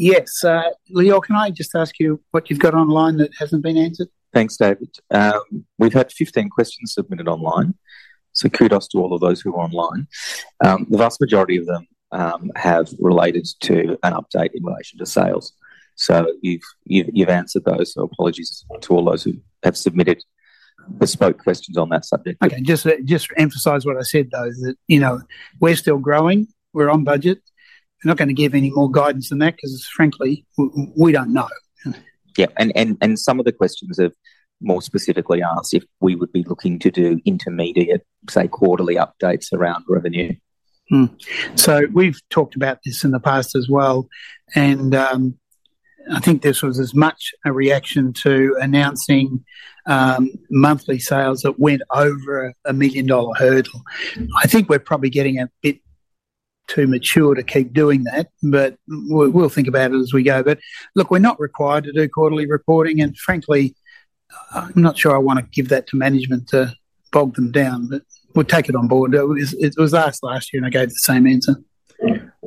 Yes, Leon, can I just ask you what you've got online that hasn't been answered? Thanks, David. We've had 15 questions submitted online, so kudos to all of those who are online. The vast majority of them have related to an update in relation to sales. So you've answered those, so apologies to all those who have submitted bespoke questions on that subject. Okay, just to emphasize what I said, though, that, you know, we're still growing, we're on budget. We're not going to give any more guidance than that, 'cause frankly, we don't know. Yeah, and some of the questions have more specifically asked if we would be looking to do intermediate, say, quarterly updates around revenue. So we've talked about this in the past as well, and I think this was as much a reaction to announcing monthly sales that went over a $1-million hurdle. I think we're probably getting a bit too mature to keep doing that, but we'll think about it as we go. But look, we're not required to do quarterly reporting, and frankly, I'm not sure I want to give that to management to bog them down, but we'll take it on board. It was asked last year, and I gave the same answer.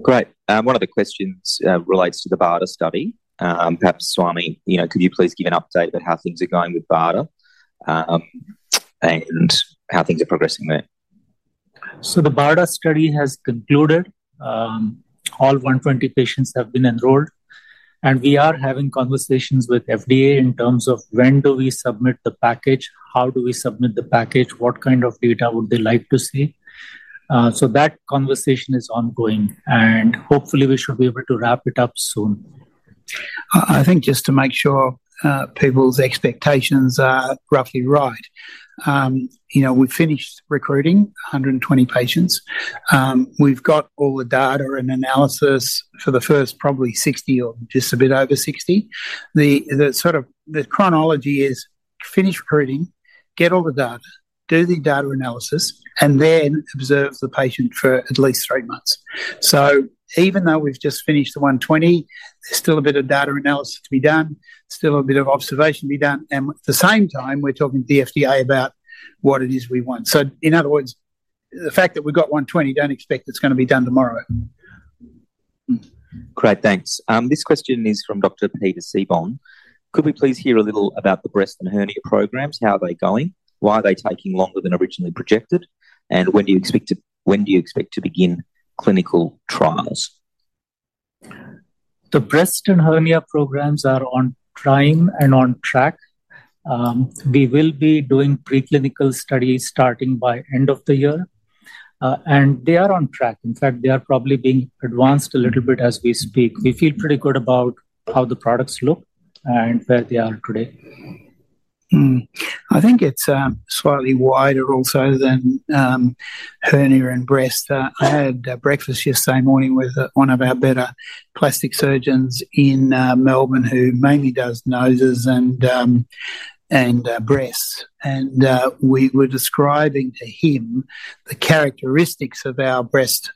Great. One of the questions relates to the BARDA study. Perhaps, Swami, you know, could you please give an update about how things are going with BARDA, and how things are progressing there? The BARDA study has concluded. All 120 patients have been enrolled, and we are having conversations with FDA in terms of when do we submit the package, how do we submit the package, what kind of data would they like to see? That conversation is ongoing, and hopefully, we should be able to wrap it up soon. I think just to make sure people's expectations are roughly right. You know, we finished recruiting 100 patients. We've got all the data and analysis for the first, probably 60 or just a bit over 60. The chronology is: finish recruiting, get all the data, do the data analysis, and then observe the patient for at least three months. So even though we've just finished the 120, there's still a bit of data analysis to be done, still a bit of observation to be done, and at the same time, we're talking to the FDA about what it is we want. So in other words, the fact that we've got 120, don't expect it's going to be done tomorrow. Great. Thanks. This question is from Dr. Peter Seebohm. Could we please hear a little about the breast and hernia programs? How are they going? Why are they taking longer than originally projected? And when do you expect to... when do you expect to begin clinical trials? The breast and hernia programs are on time and on track. We will be doing preclinical studies starting by end of the year, and they are on track. In fact, they are probably being advanced a little bit as we speak. We feel pretty good about how the products look and where they are today. I think it's slightly wider also than hernia and breast. I had breakfast yesterday morning with one of our better plastic surgeons in Melbourne, who mainly does noses and breasts. We were describing to him the characteristics of our breast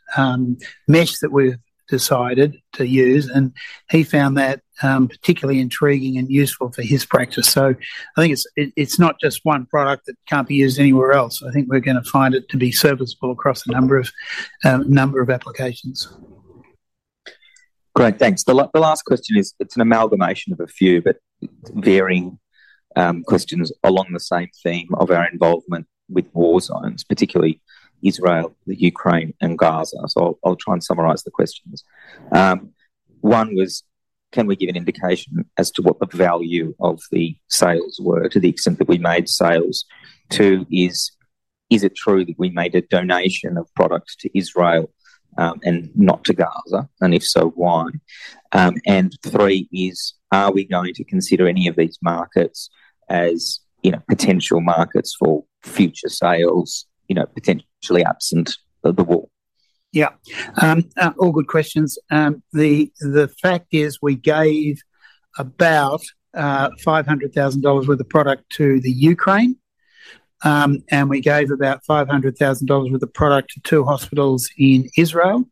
mesh that we've decided to use, and he found that particularly intriguing and useful for his practice. I think it's not just one product that can't be used anywhere else. I think we're gonna find it to be serviceable across a number of applications. Great, thanks. The last question is, it's an amalgamation of a few, but varying, questions along the same theme of our involvement with war zones, particularly Israel, the Ukraine, and Gaza. So I'll try and summarize the questions. One was, can we give an indication as to what the value of the sales were, to the extent that we made sales? Two is, is it true that we made a donation of products to Israel, and not to Gaza, and if so, why? And three is, are we going to consider any of these markets as, you know, potential markets for future sales, you know, potentially absent the war? Yeah. All good questions. The fact is, we gave about 500,000 dollars worth of product to the Ukraine, and we gave about 500,000 dollars worth of product to two hospitals in Israel,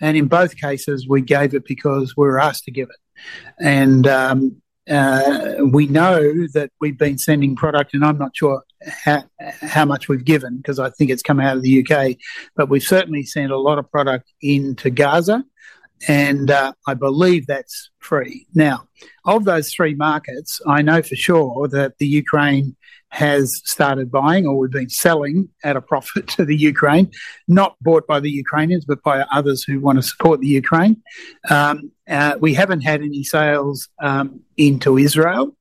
and in both cases, we gave it because we were asked to give it. And we know that we've been sending product, and I'm not sure how much we've given, 'cause I think it's come out of the U.K. But we've certainly sent a lot of product into Gaza, and I believe that's free. Now, of those three markets, I know for sure that the Ukraine has started buying, or we've been selling at a profit to the Ukraine, not bought by the Ukrainians, but by others who want to support the Ukraine. We haven't had any sales into Israel.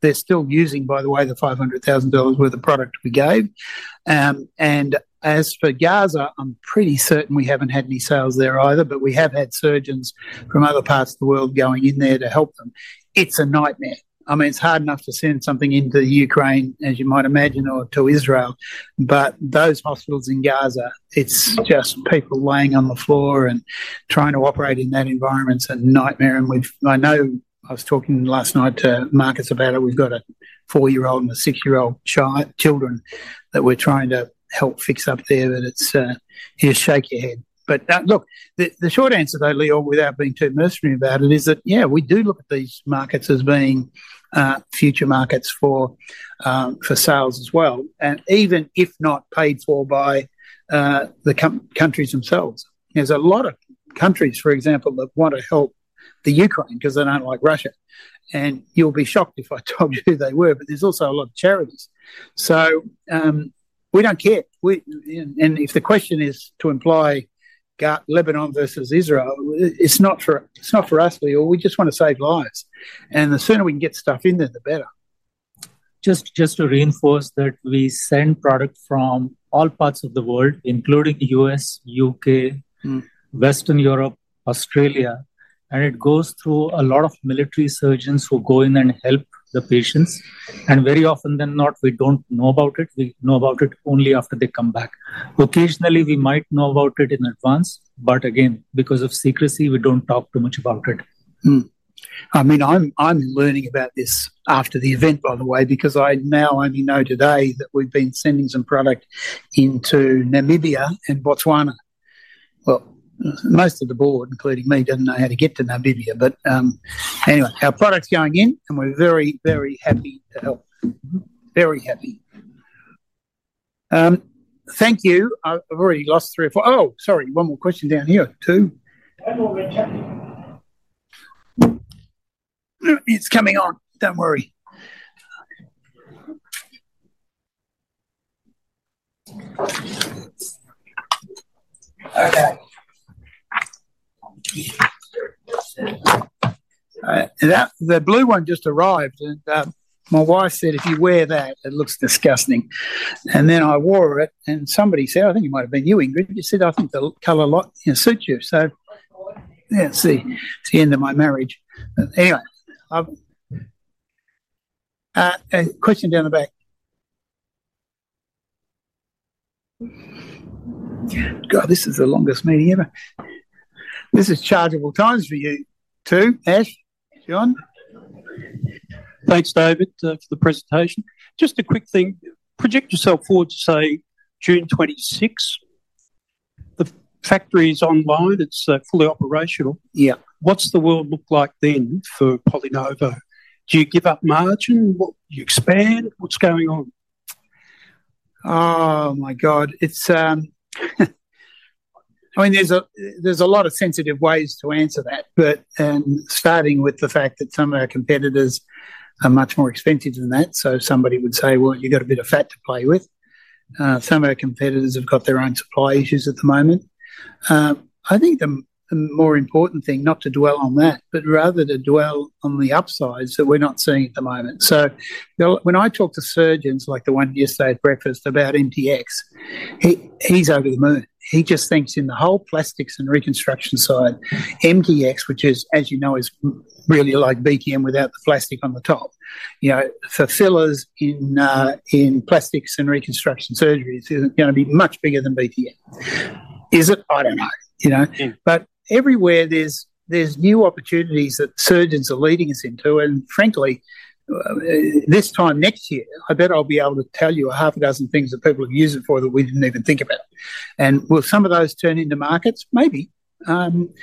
They're still using, by the way, the 500,000 dollars worth of product we gave. And as for Gaza, I'm pretty certain we haven't had any sales there either, but we have had surgeons from other parts of the world going in there to help them. It's a nightmare. I mean, it's hard enough to send something into the Ukraine, as you might imagine, or to Israel, but those hospitals in Gaza, it's just people laying on the floor, and trying to operate in that environment's a nightmare. And we've. I know I was talking last night to Marcus about it. We've got a four-year-old and a six-year-old children that we're trying to help fix up there, but it's... You just shake your head. But, look, the short answer though, Leo, without being too mercenary about it, is that, yeah, we do look at these markets as being future markets for sales as well, and even if not paid for by the countries themselves. There's a lot of countries, for example, that want to help the Ukraine because they don't like Russia, and you'll be shocked if I told you who they were, but there's also a lot of charities. So, we don't care. And, if the question is to imply Lebanon versus Israel, it's not for, it's not for us, Leo, we just want to save lives. And the sooner we can get stuff in there, the better. Just to reinforce that we send product from all parts of the world, including U.S., U.K.- Mm. Western Europe, Australia, and it goes through a lot of military surgeons who go in and help the patients. More often than not, we don't know about it. We know about it only after they come back. Occasionally, we might know about it in advance, but again, because of secrecy, we don't talk too much about it. I mean, I'm learning about this after the event, by the way, because I now only know today that we've been sending some product into Namibia and Botswana. Well, most of the board, including me, doesn't know how to get to Namibia, but anyway, our product's going in, and we're very, very happy to help. Very happy. Thank you. I've already lost three or four... Oh, sorry, one more question down here, too. One more question. It's coming on, don't worry. Okay. That, the blue one just arrived, and, my wife said, "If you wear that, it looks disgusting." And then I wore it, and somebody said, I think it might have been you, Ingrid, you said, "I think the color lot, it suits you." So- Yeah, it's the end of my marriage. But anyway, a question down the back. God, this is the longest meeting ever. This is chargeable time for you, too, Ash, John. Thanks, David, for the presentation. Just a quick thing: project yourself forward to, say, June 2026. The factory is online, it's fully operational. Yeah. What's the world look like then for PolyNovo? Do you give up margin? What... Do you expand? What's going on? Oh, my God, it's, I mean, there's a lot of sensitive ways to answer that, but, starting with the fact that some of our competitors are much more expensive than that, so somebody would say, "Well, you've got a bit of fat to play with." Some of our competitors have got their own supply issues at the moment. I think the more important thing, not to dwell on that, but rather to dwell on the upsides that we're not seeing at the moment. So the... When I talk to surgeons, like the one yesterday at breakfast, about MTX, he, he's over the moon. He just thinks in the whole plastics and reconstruction side, MTX, which is, as you know, is really like BTM without the plastic on the top. You know, for fillers in, in plastics and reconstruction surgeries, it's gonna be much bigger than BTM. Is it? I don't know, you know. Yeah. But everywhere, there's new opportunities that surgeons are leading us into, and frankly, this time next year, I bet I'll be able to tell you a half a dozen things that people have used it for that we didn't even think about. And will some of those turn into markets? Maybe. I mean,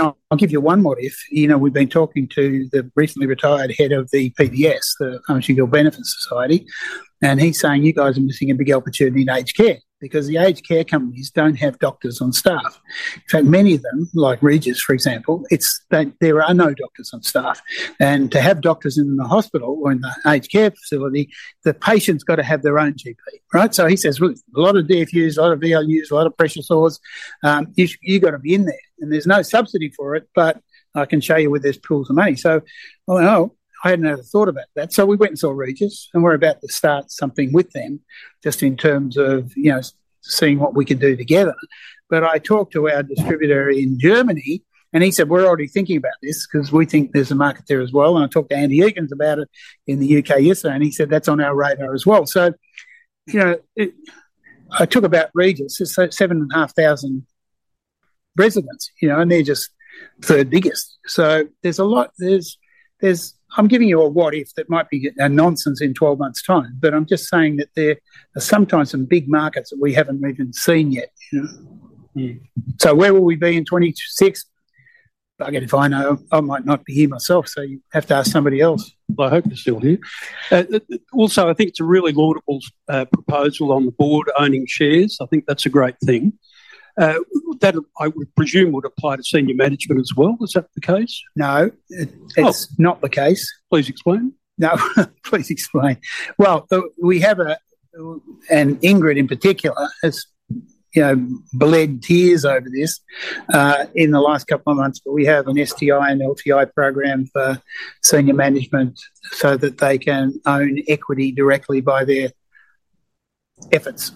I'll give you one what if. You know, we've been talking to the recently retired head of the PBS, the Pharmaceutical Benefits Scheme, and he's saying, "You guys are missing a big opportunity in aged care, because the aged care companies don't have doctors on staff." In fact, many of them, like Regis, for example, they, there are no doctors on staff, and to have doctors in the hospital or in the aged care facility, the patient's got to have their own GP, right? So he says, "Well, a lot of DFUs, a lot of VLUs, a lot of pressure sores, you've got to be in there. And there's no subsidy for it, but I can show you where there's pools of money." So I went, "Oh, I had never thought about that." So we went and saw Regis, and we're about to start something with them, just in terms of, you know, seeing what we could do together. But I talked to our distributor in Germany, and he said, "We're already thinking about this, 'cause we think there's a market there as well." And I talked to Andy Higgins about it in the UK yesterday, and he said, "That's on our radar as well." So you know, I talk about Regis, it's seven and a half thousand residents, you know, and they're just third biggest. So there's a lot. I'm giving you a what if that might be nonsense in 12 months' time, but I'm just saying that there are sometimes some big markets that we haven't even seen yet, you know? Mm. So where will we be in 2026? Bugger if I know. I might not be here myself, so you have to ask somebody else. I hope you're still here. Also, I think it's a really laudable proposal on the board, owning shares. I think that's a great thing. That, I would presume, would apply to senior management as well. Is that the case? No. Oh! It's not the case. Please explain. No. Please explain. Well, we have a, and Ingrid, in particular, has, you know, bled tears over this, in the last couple of months, but we have an STI and LTI program for senior management so that they can own equity directly by their efforts.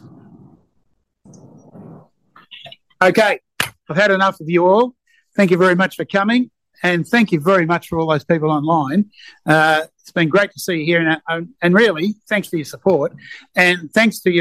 Okay, I've had enough of you all. Thank you very much for coming, and thank you very much for all those people online. It's been great to see you here in our own... and really, thanks for your support, and thanks to your-